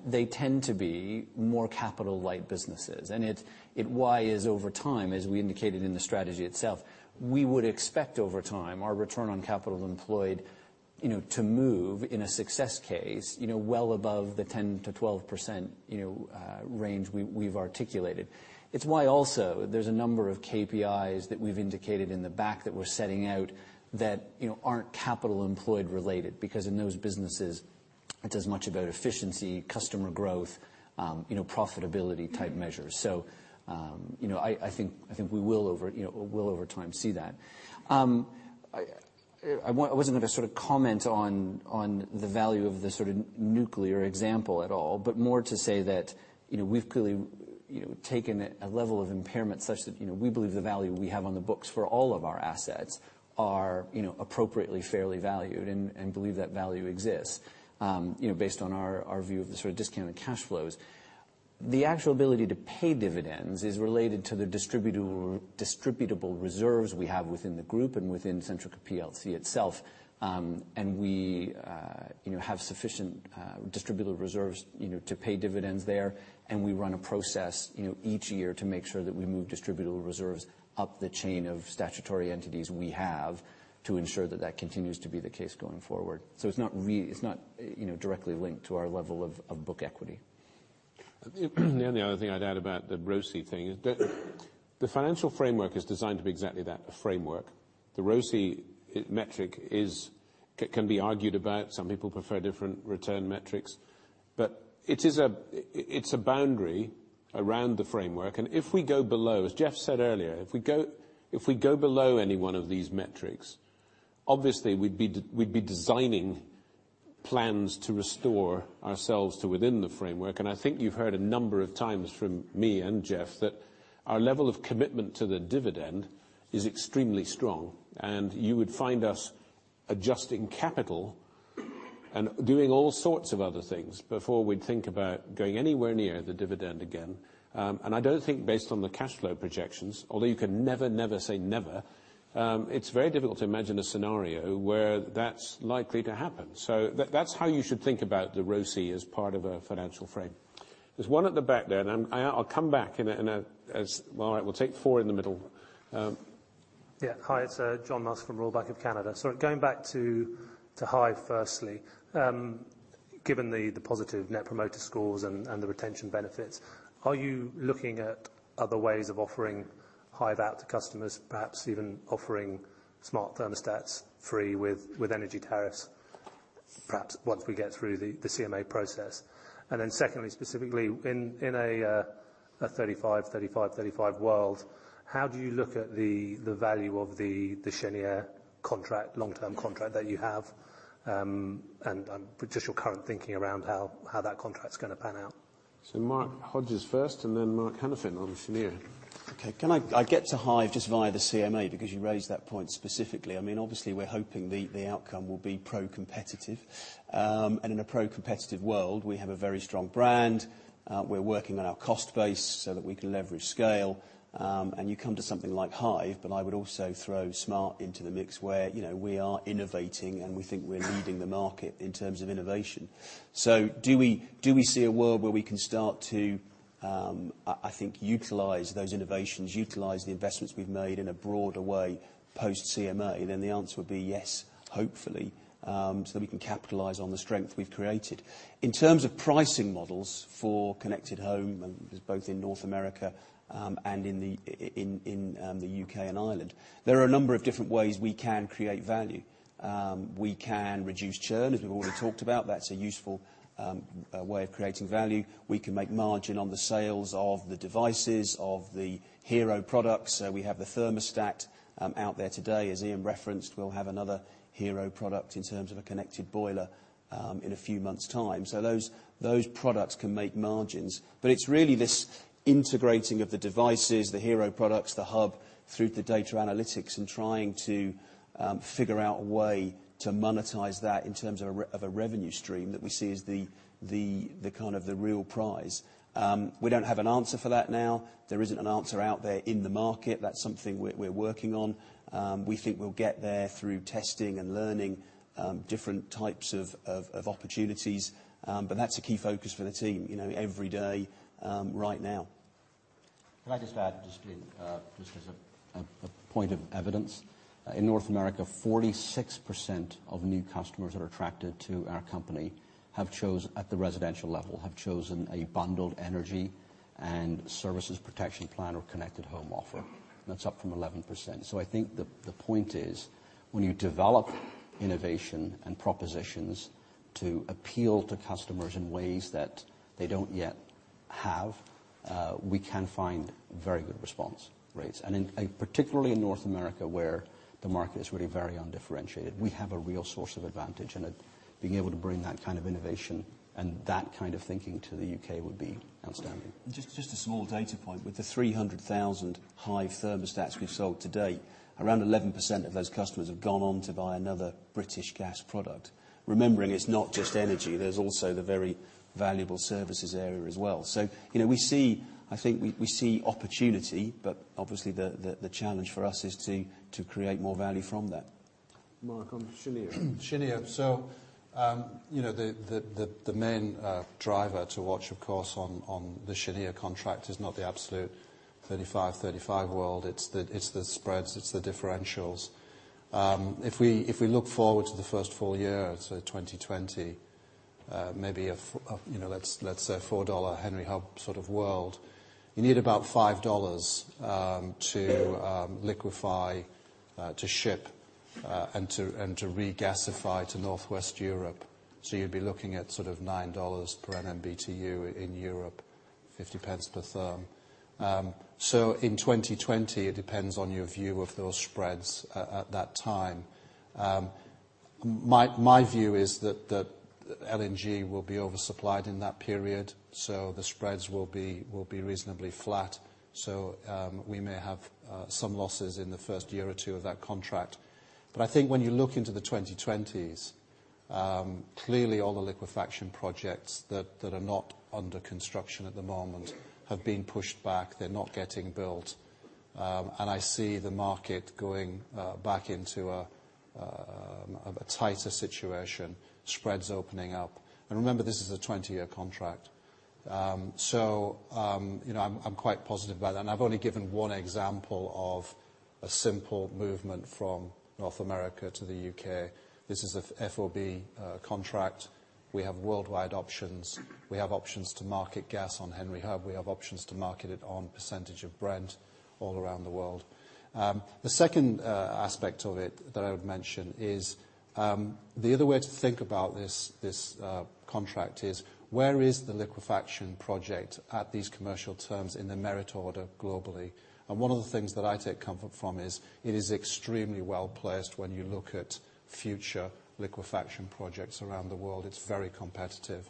They tend to be more capital-light businesses, and why is over time, as we indicated in the strategy itself, we would expect over time our return on capital employed to move in a success case, well above the 10%-12% range we've articulated. It's why also there's a number of KPIs that we've indicated in the back that we're setting out that aren't capital employed related, because in those businesses, it's as much about efficiency, customer growth, profitability type measures. I think we will over time see that. I wasn't going to comment on the value of the sort of nuclear example at all, more to say that we've clearly taken a level of impairment such that we believe the value we have on the books for all of our assets are appropriately, fairly valued and believe that value exists based on our view of the sort of discounted cash flows. The actual ability to pay dividends is related to the distributable reserves we have within the group and within Centrica plc itself. We have sufficient distributable reserves to pay dividends there, and we run a process each year to make sure that we move distributable reserves up the chain of statutory entities we have to ensure that that continues to be the case going forward. It's not directly linked to our level of book equity. The only other thing I'd add about the ROCE thing is that the financial framework is designed to be exactly that, a framework. The ROCE metric can be argued about. Some people prefer different return metrics, but it's a boundary around the framework. If we go below, as Jeff said earlier, if we go below any one of these metrics, obviously we'd be designing plans to restore ourselves to within the framework. I think you've heard a number of times from me and Jeff that our level of commitment to the dividend is extremely strong, and you would find us adjusting capital and doing all sorts of other things before we'd think about going anywhere near the dividend again. I don't think based on the cash flow projections, although you can never say never, it's very difficult to imagine a scenario where that's likely to happen. That's how you should think about the ROCE as part of a financial frame. There's one at the back there, I'll come back in a Well, all right, we'll take four in the middle. Hi, it's John Musk from Royal Bank of Canada. Going back to Hive firstly, given the positive net promoter scores and the retention benefits, are you looking at other ways of offering Hive out to customers, perhaps even offering smart thermostats free with energy tariffs, perhaps once we get through the CMA process? Secondly, specifically in a 35/35/35 world, how do you look at the value of the Cheniere long-term contract that you have? Just your current thinking around how that contract is going to pan out. Mark Hodges first, and then Mark Hanafin on Cheniere. Okay. Can I get to Hive just via the CMA because you raised that point specifically. Obviously, we're hoping the outcome will be pro-competitive. In a pro-competitive world, we have a very strong brand. We're working on our cost base so that we can leverage scale. You come to something like Hive, but I would also throw Smart into the mix where we are innovating, and we think we're leading the market in terms of innovation. Do we see a world where we can start to, I think, utilize those innovations, utilize the investments we've made in a broader way post CMA? The answer would be yes, hopefully, so that we can capitalize on the strength we've created. In terms of pricing models for Connected Home, this is both in North America and in the U.K. and Ireland, there are a number of different ways we can create value. We can reduce churn, as we've already talked about. That's a useful way of creating value. We can make margin on the sales of the devices, of the Hero products. We have the thermostat out there today, as Iain referenced. We'll have another Hero product in terms of a connected boiler in a few months' time. Those products can make margins. It's really this integrating of the devices, the Hero products, the hub, through to data analytics and trying to figure out a way to monetize that in terms of a revenue stream that we see as the real prize. We don't have an answer for that now. There isn't an answer out there in the market. That's something we're working on. We think we'll get there through testing and learning different types of opportunities. That's a key focus for the team every day right now. Can I just add, just as a point of evidence? In North America, 46% of new customers that are attracted to our company, at the residential level, have chosen a bundled energy and services protection plan or Connected Home offer. That's up from 11%. I think the point is when you develop innovation and propositions to appeal to customers in ways that they don't yet have, we can find very good response rates. Particularly in North America, where the market is really very undifferentiated, we have a real source of advantage. Being able to bring that kind of innovation and that kind of thinking to the U.K. would be outstanding. Just a small data point. With the 300,000 Hive thermostats we've sold to date, around 11% of those customers have gone on to buy another British Gas product. Remembering it's not just energy, there's also the very valuable services area as well. I think we see opportunity, but obviously the challenge for us is to create more value from that. Mark, on Cheniere. Cheniere. The main driver to watch, of course, on the Cheniere contract is not the absolute 35/35 world, it's the spreads, it's the differentials. If we look forward to the first full year, 2020, maybe let's say a $4 Henry Hub world, you need about $5 to liquefy, to ship, and to regasify to Northwest Europe. You'd be looking at $9 per MMBtu in Europe, 0.50 per therm. In 2020, it depends on your view of those spreads at that time. My view is that LNG will be oversupplied in that period. The spreads will be reasonably flat. We may have some losses in the first year or two of that contract. I think when you look into the 2020s Clearly, all the liquefaction projects that are not under construction at the moment have been pushed back. They're not getting built. I see the market going back into a tighter situation, spreads opening up. Remember, this is a 20-year contract. I'm quite positive about that. I've only given one example of a simple movement from North America to the U.K. This is a FOB contract. We have worldwide options. We have options to market gas on Henry Hub. We have options to market it on percentage of Brent all around the world. The second aspect of it that I would mention is, the other way to think about this contract is, where is the liquefaction project at these commercial terms in the merit order globally? One of the things that I take comfort from is it is extremely well-placed when you look at future liquefaction projects around the world. It's very competitive.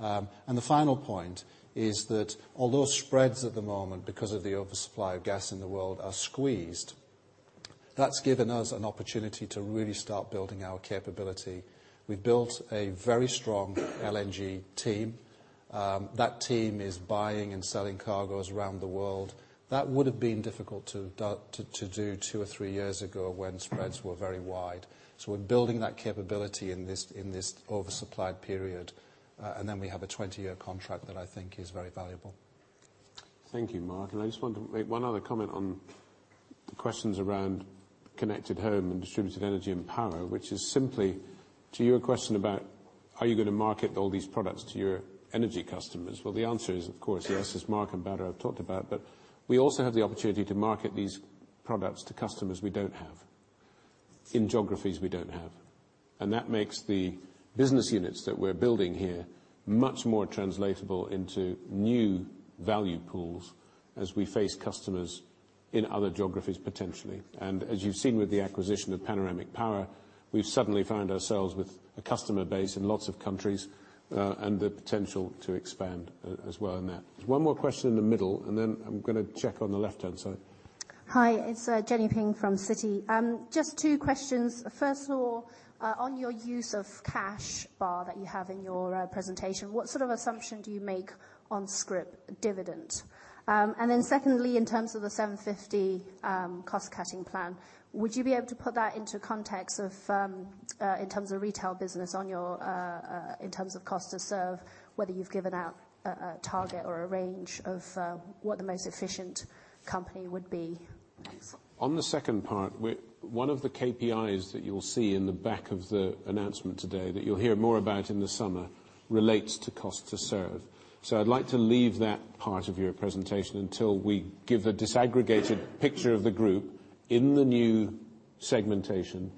The final point is that although spreads at the moment, because of the oversupply of gas in the world, are squeezed, that's given us an opportunity to really start building our capability. We've built a very strong LNG team. That team is buying and selling cargoes around the world. That would've been difficult to do 2 or 3 years ago when spreads were very wide. We're building that capability in this oversupplied period. We have a 20-year contract that I think is very valuable. Thank you, Mark. I just want to make one other comment on the questions around Connected Home and Distributed Energy and Power, which is simply to your question about, are you going to market all these products to your energy customers? The answer is, of course, yes, as Mark and Badar Khan have talked about. We also have the opportunity to market these products to customers we don't have in geographies we don't have. That makes the business units that we're building here much more translatable into new value pools as we face customers in other geographies, potentially. As you've seen with the acquisition of Panoramic Power, we've suddenly found ourselves with a customer base in lots of countries, and the potential to expand as well in that. There's one more question in the middle, and then I'm going to check on the left-hand side. Hi, it's Jenny Ping from Citi. Just two questions. First of all, on your use of cash flow that you have in your presentation, what sort of assumption do you make on scrip dividend? Secondly, in terms of the 750 cost-cutting plan, would you be able to put that into context in terms of retail business in terms of cost to serve, whether you've given out a target or a range of what the most efficient company would be? On the second part, one of the KPIs that you'll see in the back of the announcement today, that you'll hear more about in the summer, relates to cost to serve. I'd like to leave that part of your presentation until we give the disaggregated picture of the group in the new segmentation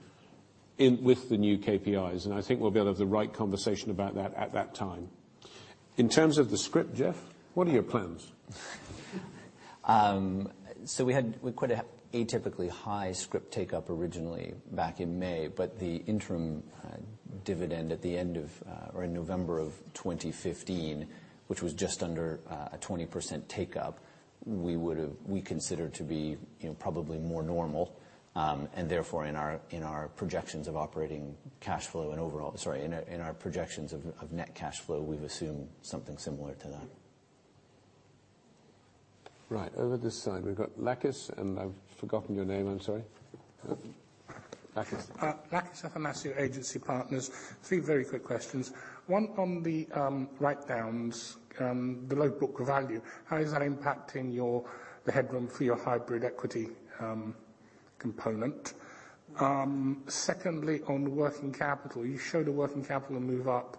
with the new KPIs, I think we'll be able to have the right conversation about that at that time. In terms of the scrip, Jeff, what are your plans? We had quite an atypically high scrip take-up originally back in May, but the interim dividend in November of 2015, which was just under a 20% take-up, we consider to be probably more normal, and therefore in our projections of operating cash flow and overall Sorry, in our projections of net cash flow, we've assumed something similar to that. Right. Over this side, we've got Lakis and I've forgotten your name. I'm sorry. Lakis. Lakis Athanasiou, Agency Partners. Three very quick questions. One on the write-downs below book value. How is that impacting the headroom for your hybrid equity component? Secondly, on the working capital. You show the working capital move up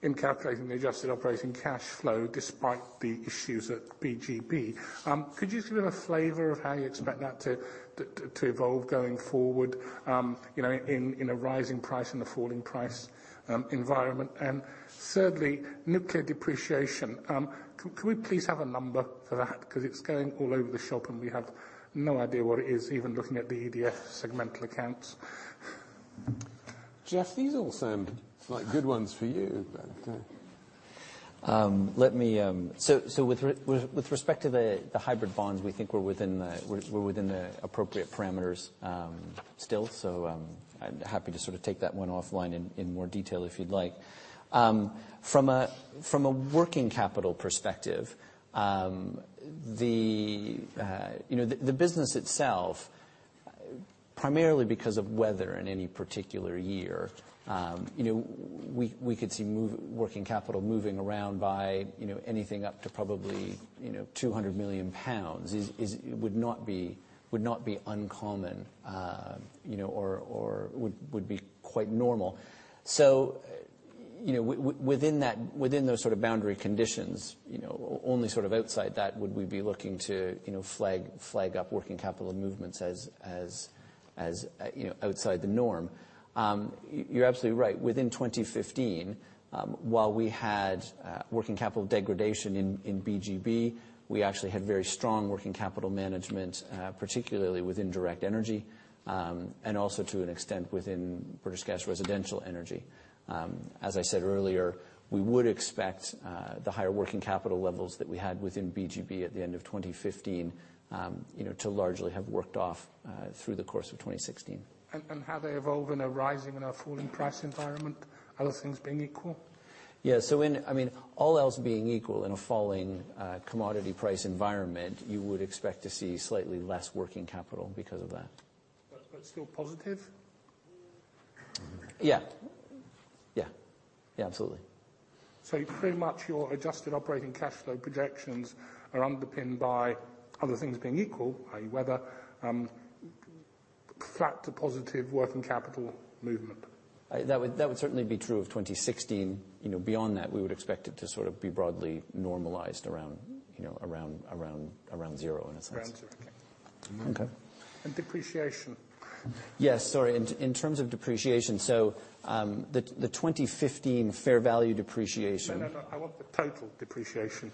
in calculating the adjusted operating cash flow despite the issues at BGB. Could you give a flavor of how you expect that to evolve going forward in a rising price and a falling price environment? Thirdly, nuclear depreciation. Could we please have a number for that? Because it's going all over the shop, and we have no idea what it is, even looking at the EDF segmental accounts. Jeff, these all sound like good ones for you. With respect to the hybrid bonds, we think we're within the appropriate parameters still. I'm happy to take that one offline in more detail if you'd like. From a working capital perspective, the business itself, primarily because of weather in any particular year, we could see working capital moving around by anything up to probably 200 million pounds would not be uncommon or would be quite normal. Within those sort of boundary conditions, only sort of outside that would we be looking to flag up working capital movements as outside the norm. You're absolutely right. Within 2015, while we had working capital degradation in BGB, we actually had very strong working capital management, particularly with Direct Energy, and also to an extent within British Gas Residential Energy. As I said earlier, we would expect the higher working capital levels that we had within BGB at the end of 2015 to largely have worked off through the course of 2016. How they evolve in a rising and a falling price environment, other things being equal? Yeah. All else being equal, in a falling commodity price environment, you would expect to see slightly less working capital because of that. Still positive? Yeah. Absolutely. Pretty much your adjusted operating cash flow projections are underpinned by other things being equal, i.e., weather, flat to positive working capital movement. That would certainly be true of 2016. Beyond that, we would expect it to be broadly normalized around zero, in a sense. Around zero. Okay. Depreciation? Yes. Sorry. In terms of depreciation, the 2015 fair value depreciation. No, no. I want the total depreciation.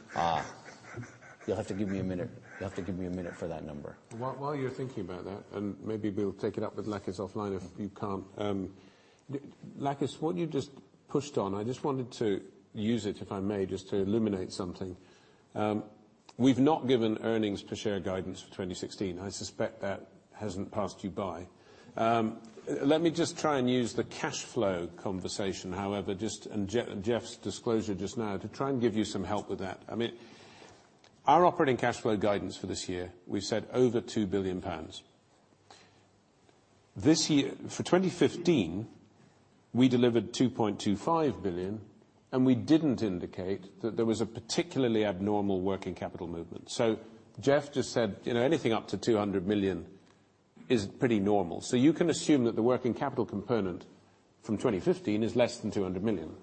You'll have to give me a minute for that number. While you're thinking about that, and maybe we'll take it up with Lakis offline if you can't. Lakis, what you just pushed on, I just wanted to use it, if I may, just to illuminate something. We've not given earnings per share guidance for 2016. I suspect that hasn't passed you by. Let me just try and use the cash flow conversation, however, and Jeff's disclosure just now to try and give you some help with that. Our operating cash flow guidance for this year, we said over 2 billion pounds. For 2015, we delivered 2.25 billion, and we didn't indicate that there was a particularly abnormal working capital movement. Jeff just said anything up to 200 million is pretty normal, so you can assume that the working capital component from 2015 is less than 200 million.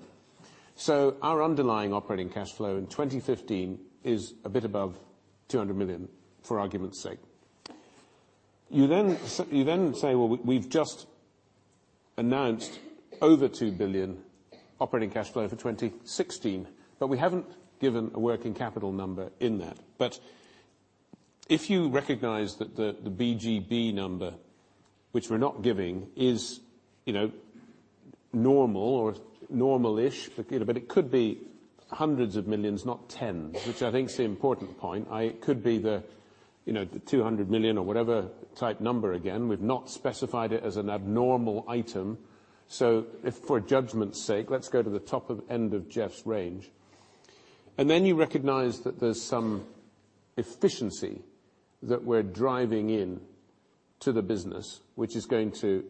Our underlying operating cash flow in 2015 is a bit above 200 million, for argument's sake. You then say, well, we've just announced over 2 billion operating cash flow for 2016, but we haven't given a working capital number in that. If you recognize that the BGB number, which we're not giving, is normal or normal-ish, but it could be hundreds of millions, not tens, which I think is the important point. It could be the 200 million or whatever type number again. We've not specified it as an abnormal item. If for judgment's sake, let's go to the top end of Jeff's range, and then you recognize that there's some efficiency that we're driving in to the business, which is going to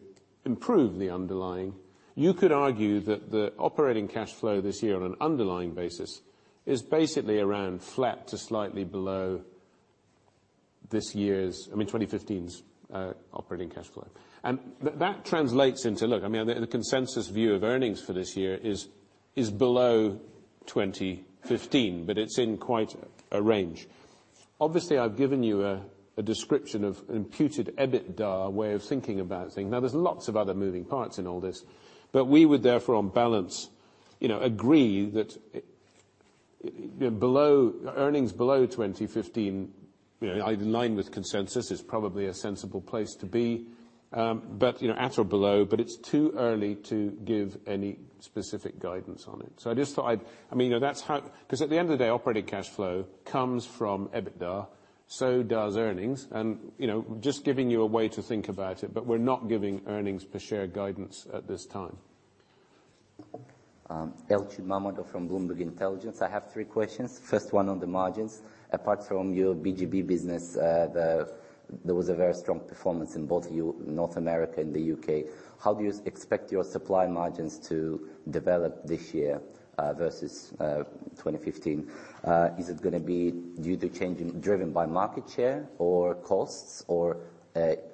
improve the underlying. You could argue that the operating cash flow this year on an underlying basis is basically around flat to slightly below 2015's operating cash flow. That translates into, look, the consensus view of earnings for this year is below 2015, but it's in quite a range. Obviously, I've given you a description of an imputed EBITDA way of thinking about things. There's lots of other moving parts in all this, but we would therefore, on balance, agree that earnings below 2015, in line with consensus, is probably a sensible place to be, at or below, but it's too early to give any specific guidance on it. At the end of the day, operating cash flow comes from EBITDA, so does earnings, and just giving you a way to think about it, but we're not giving earnings per share guidance at this time. Elchin Mammadov from Bloomberg Intelligence. I have three questions. First one on the margins. Apart from your BGB business, there was a very strong performance in both North America and the U.K. How do you expect your supply margins to develop this year versus 2015? Is it going to be driven by market share or costs or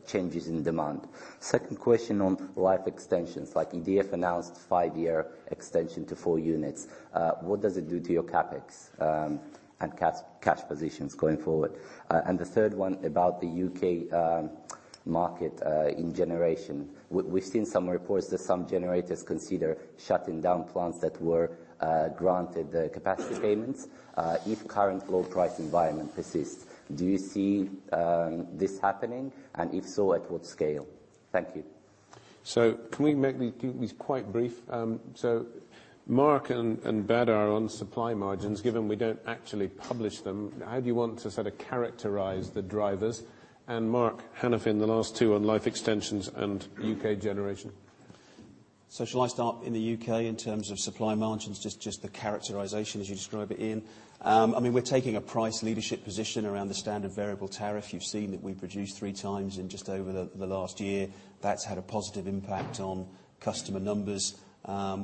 changes in demand? Second question on life extensions, like EDF announced a 5-year extension to 4 units. What does it do to your CapEx and cash positions going forward? The third one about the U.K. market in generation. We've seen some reports that some generators consider shutting down plants that were granted capacity payments if current low price environment persists. Do you see this happening, and if so, at what scale? Thank you. Can we make these quite brief? Mark and Badar on supply margins, given we don't actually publish them, how do you want to characterize the drivers? Mark Hanafin, the last two on life extensions and U.K. generation. Shall I start in the U.K. in terms of supply margins, just the characterization as you describe it, Ian? We're taking a price leadership position around the standard variable tariff. You've seen that we've reduced three times in just over the last year. That's had a positive impact on customer numbers.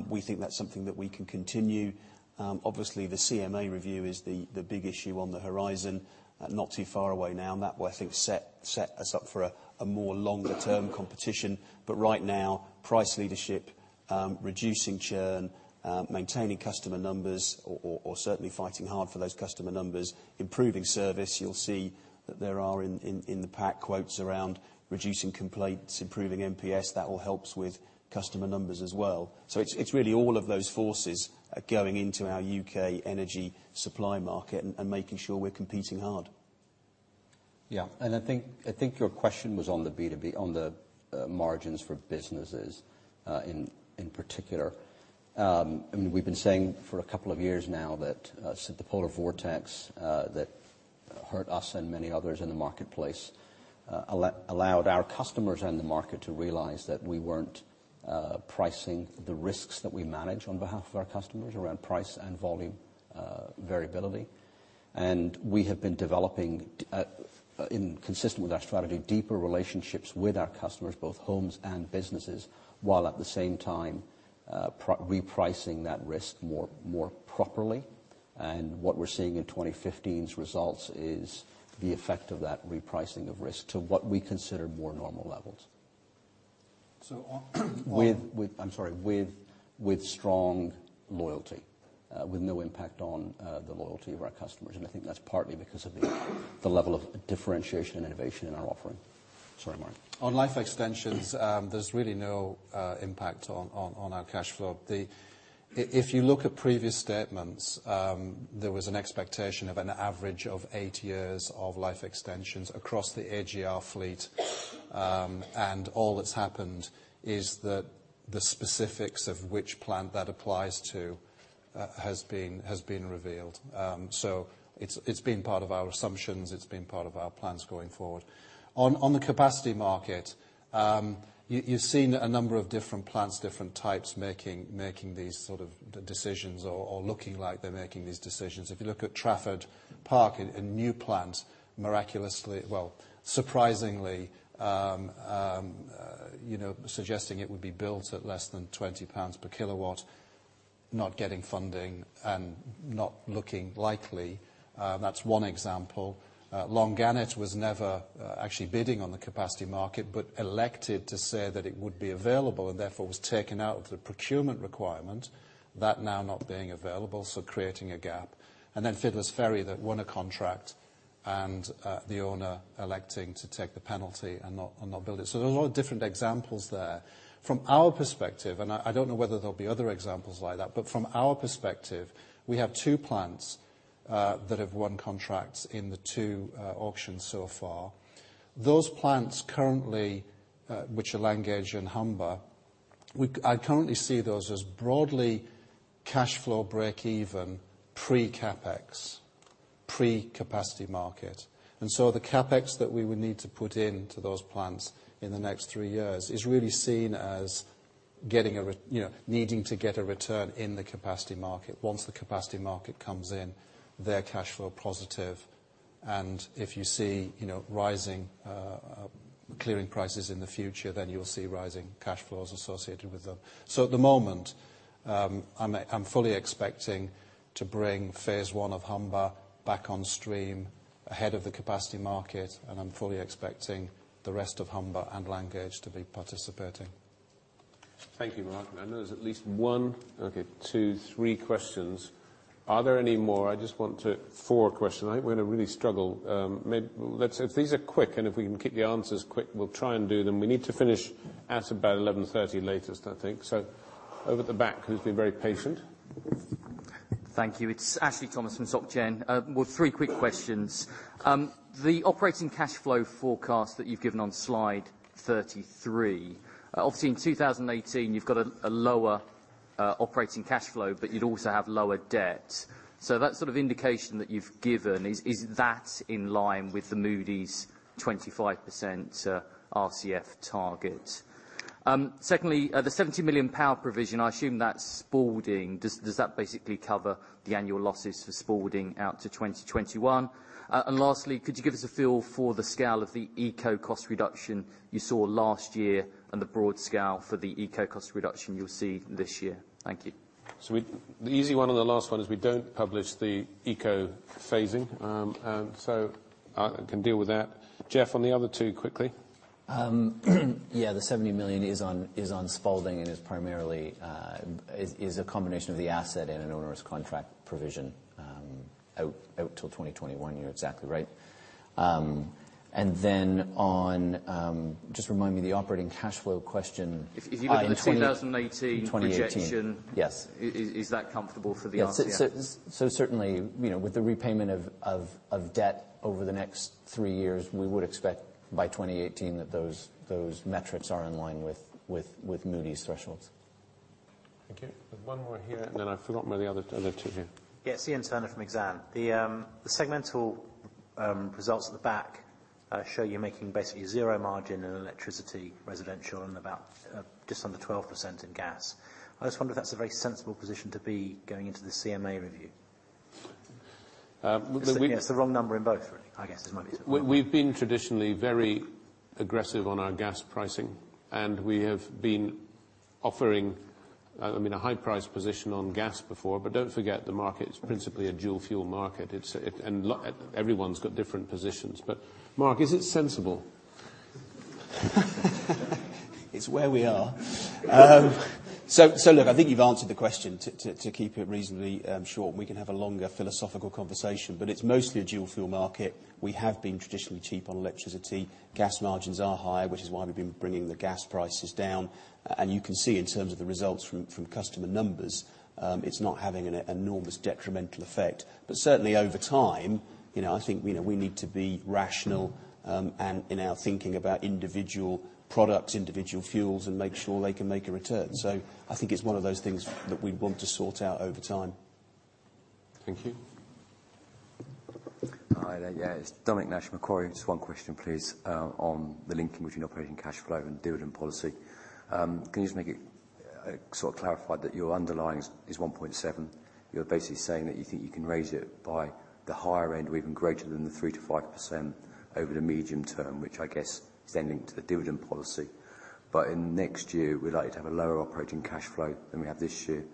We think that's something that we can continue. Obviously, the CMA review is the big issue on the horizon, not too far away now, and that will, I think, set us up for a more longer-term competition. Right now, price leadership, reducing churn, maintaining customer numbers, or certainly fighting hard for those customer numbers, improving service. You'll see that there are, in the pack, quotes around reducing complaints, improving NPS, that all helps with customer numbers as well. It's really all of those forces are going into our U.K. energy supply market and making sure we're competing hard. Yeah. I think your question was on the B2B, on the margins for businesses in particular. We've been saying for a couple of years now that since the polar vortex that hurt us and many others in the marketplace allowed our customers and the market to realize that we weren't pricing the risks that we manage on behalf of our customers around price and volume variability. We have been developing, consistent with our strategy, deeper relationships with our customers, both homes and businesses, while at the same time repricing that risk more properly. What we're seeing in 2015's results is the effect of that repricing of risk to what we consider more normal levels. So on- I'm sorry, with strong loyalty, with no impact on the loyalty of our customers. I think that's partly because of the level of differentiation and innovation in our offering. Sorry, Mark. On life extensions, there's really no impact on our cash flow. If you look at previous statements, there was an expectation of an average of 80 years of life extensions across the AGR fleet. All that's happened is that the specifics of which plant that applies to has been revealed. It's been part of our assumptions, it's been part of our plans going forward. On the capacity market, you've seen a number of different plants, different types, making these sort of decisions or looking like they're making these decisions. If you look at Trafford Park, a new plant, surprisingly, suggesting it would be built at less than 20 pounds per kilowatt, not getting funding, and not looking likely. That's one example. Longannet was never actually bidding on the capacity market, but elected to say that it would be available, therefore was taken out of the procurement requirement. That now not being available, creating a gap. Fiddler's Ferry that won a contract, and the owner electing to take the penalty and not build it. There's a lot of different examples there. From our perspective, and I don't know whether there'll be other examples like that, but from our perspective, we have two plants that have won contracts in the two auctions so far. Those plants currently, which are Langage and Humber, I currently see those as broadly cash flow breakeven pre-CapEx, pre-capacity market. The CapEx that we would need to put into those plants in the next three years is really seen as needing to get a return in the capacity market. Once the capacity market comes in, they're cash flow positive, and if you see rising clearing prices in the future, then you'll see rising cash flows associated with them. At the moment, I'm fully expecting to bring phase one of Humber back on stream ahead of the capacity market, and I'm fully expecting the rest of Humber and Langage to be participating. Thank you, Mark. I know there's at least one, okay, two, three questions. Are there any more? I just want to four questions. I think we're going to really struggle. If these are quick and if we can keep the answers quick, we'll try and do them. We need to finish at about 11:30 A.M. latest, I think. Over at the back, who's been very patient. Thank you. It's Ashley Thomas from Societe Generale. Three quick questions. The operating cash flow forecast that you've given on slide 33. Obviously, in 2018, you've got a lower operating cash flow, but you'd also have lower debt. That sort of indication that you've given, is that in line with the Moody's 25% RCF target? Secondly, the 70 million provision, I assume that's Spalding. Does that basically cover the annual losses for Spalding out to 2021? Lastly, could you give us a feel for the scale of the ECO cost reduction you saw last year and the broad scale for the ECO cost reduction you'll see this year? Thank you. The easy one on the last one is we don't publish the ECO phasing. I can deal with that. Jeff, on the other two, quickly. The 70 million is on Spalding and is a combination of the asset and an onerous contract provision out until 2021. You're exactly right. On, just remind me, the operating cash flow question. If you look at the 2018 projection- 2018. Yes is that comfortable for the RCF? Certainly, with the repayment of debt over the next three years, we would expect by 2018 that those metrics are in line with Moody's thresholds. Thank you. There's one more here, and then I've forgotten where the other two here. Yeah. Ian Turner from Exane. The segmental results at the back show you're making basically zero margin in electricity, residential, and about just under 12% in gas. I just wonder if that's a very sensible position to be going into the CMA review. Well, It's the wrong number in both, really, I guess is my. We've been traditionally very aggressive on our gas pricing, and we have been offering a high price position on gas before. Don't forget, the market is principally a dual-fuel market. Everyone's got different positions. Mark, is it sensible? It's where we are. Look, I think you've answered the question, to keep it reasonably short. We can have a longer philosophical conversation, it's mostly a dual fuel market. We have been traditionally cheap on electricity. Gas margins are higher, which is why we've been bringing the gas prices down. You can see in terms of the results from customer numbers, it's not having an enormous detrimental effect. Certainly over time, I think we need to be rational, and in our thinking about individual products, individual fuels, and make sure they can make a return. I think it's one of those things that we'd want to sort out over time. Thank you. Hi there. It's Dominic Nash, Macquarie. Just one question, please, on the linking between operating cash flow and dividend policy. Can you just make it clarified that your underlying is 1.7? You're basically saying that you think you can raise it by the higher end or even greater than the 3%-5% over the medium term, which I guess is then linked to the dividend policy. In next year, we'd like to have a lower operating cash flow than we have this year.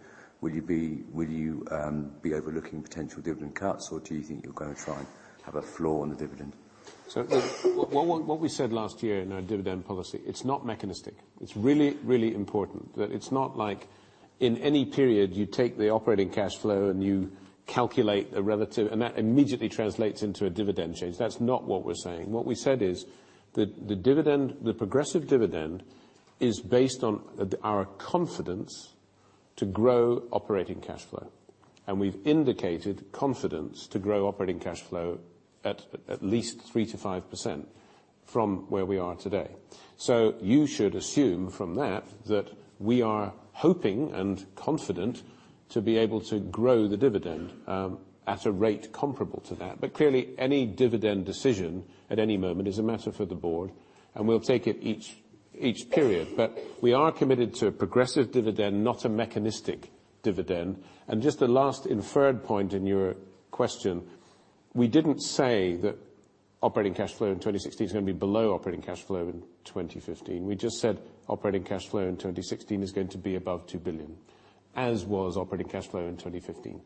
Will you be overlooking potential dividend cuts, or do you think you're going to try and have a floor on the dividend? What we said last year in our dividend policy, it's not mechanistic. It's really important that it's not like in any period you take the operating cash flow, you calculate a relative, that immediately translates into a dividend change. That's not what we're saying. What we said is that the progressive dividend is based on our confidence to grow operating cash flow. We've indicated confidence to grow operating cash flow at least 3%-5% from where we are today. You should assume from that we are hoping and confident to be able to grow the dividend at a rate comparable to that. Clearly, any dividend decision at any moment is a matter for the board, we'll take it each period. We are committed to a progressive dividend, not a mechanistic dividend. Just a last inferred point in your question, we didn't say that operating cash flow in 2016 is going to be below operating cash flow in 2015. We just said operating cash flow in 2016 is going to be above 2 billion, as was operating cash flow in 2015.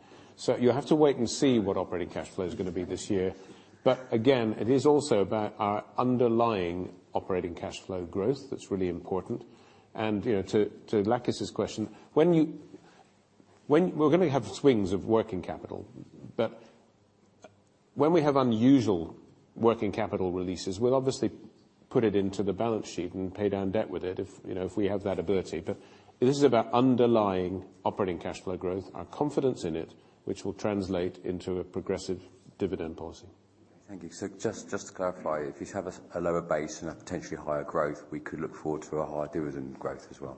You'll have to wait and see what operating cash flow is going to be this year. Again, it is also about our underlying operating cash flow growth that's really important. To Lakis' question, we're going to have swings of working capital, but when we have unusual working capital releases, we'll obviously put it into the balance sheet and pay down debt with it if we have that ability. This is about underlying operating cash flow growth, our confidence in it, which will translate into a progressive dividend policy. Thank you. Just to clarify, if you have a lower base and a potentially higher growth, we could look forward to a higher dividend growth as well.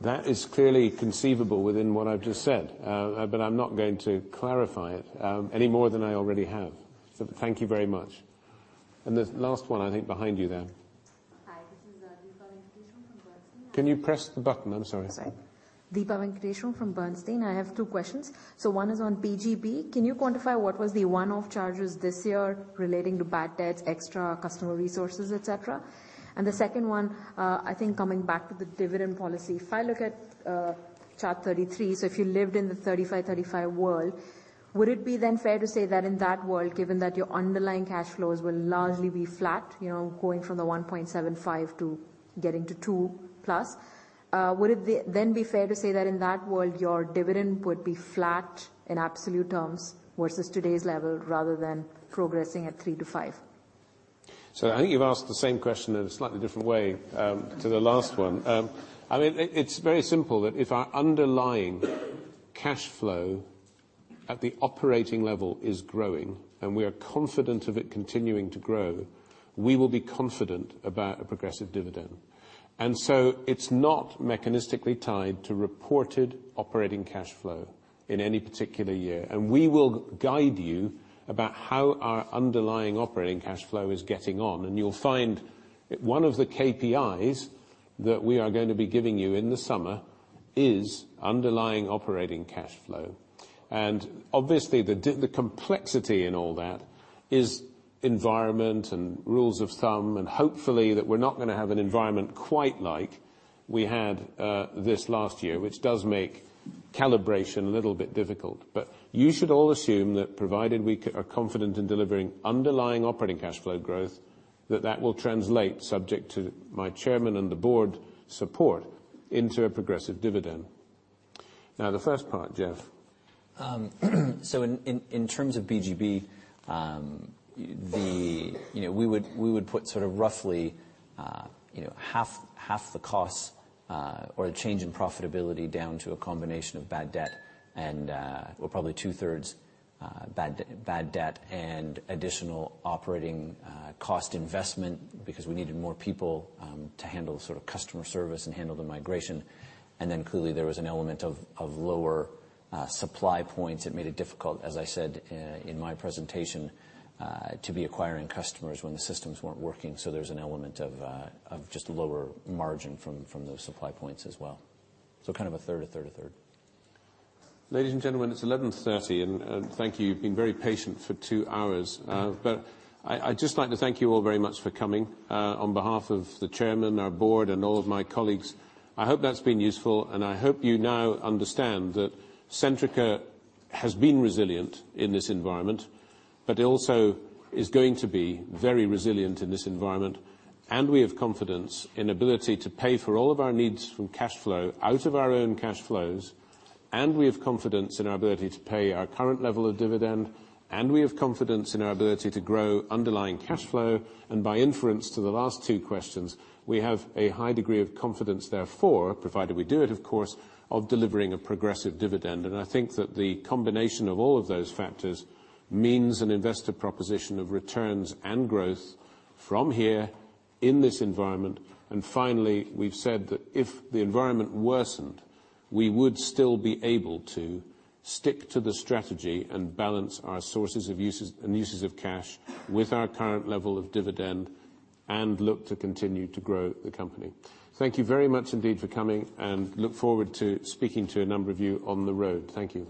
That is clearly conceivable within what I've just said. I'm not going to clarify it any more than I already have. Thank you very much. The last one, I think, behind you there. Hi, this is Deepa Venkateswaran from Bernstein. Can you press the button? I'm sorry. Sorry. Deepa Venkateswaran from Bernstein. I have two questions. One is on BGB. Can you quantify what was the one-off charges this year relating to bad debts, extra customer resources, et cetera? The second one, I think coming back to the dividend policy, if I look at chart 33, if you lived in the 35/35 world, would it be then fair to say that in that world, given that your underlying cash flows will largely be flat, going from the 1.75 to getting to 2 plus, would it then be fair to say that in that world, your dividend would be flat in absolute terms versus today's level, rather than progressing at three to five? I think you've asked the same question in a slightly different way to the last one. It's very simple that if our underlying cash flow at the operating level is growing, and we are confident of it continuing to grow, we will be confident about a progressive dividend. It's not mechanistically tied to reported operating cash flow in any particular year. We will guide you about how our underlying operating cash flow is getting on. You'll find one of the KPIs that we are going to be giving you in the summer is underlying operating cash flow. Obviously, the complexity in all that is environment and rules of thumb, and hopefully that we're not going to have an environment quite like we had this last year, which does make calibration a little bit difficult. You should all assume that provided we are confident in delivering underlying operating cash flow growth, that that will translate, subject to my chairman and the board support, into a progressive dividend. Now, the first part, Jeff. In terms of BGB, we would put sort of roughly half the costs, or the change in profitability down to a combination of bad debt and, well, probably two-thirds bad debt and additional operating cost investment because we needed more people to handle sort of customer service and handle the migration. Clearly, there was an element of lower supply points that made it difficult, as I said in my presentation, to be acquiring customers when the systems weren't working, there's an element of just a lower margin from those supply points as well. Kind of a third, a third, a third. Ladies and gentlemen, it's 11:30, and thank you. You've been very patient for two hours. I'd just like to thank you all very much for coming. On behalf of the chairman, our board, and all of my colleagues, I hope that's been useful, and I hope you now understand that Centrica has been resilient in this environment, but also is going to be very resilient in this environment. We have confidence in ability to pay for all of our needs from cash flow out of our own cash flows, we have confidence in our ability to pay our current level of dividend, we have confidence in our ability to grow underlying cash flow. By inference to the last two questions, we have a high degree of confidence therefore, provided we do it, of course, of delivering a progressive dividend. I think that the combination of all of those factors means an investor proposition of returns and growth from here in this environment. Finally, we've said that if the environment worsened, we would still be able to stick to the strategy and balance our sources and uses of cash with our current level of dividend and look to continue to grow the company. Thank you very much indeed for coming, and look forward to speaking to a number of you on the road. Thank you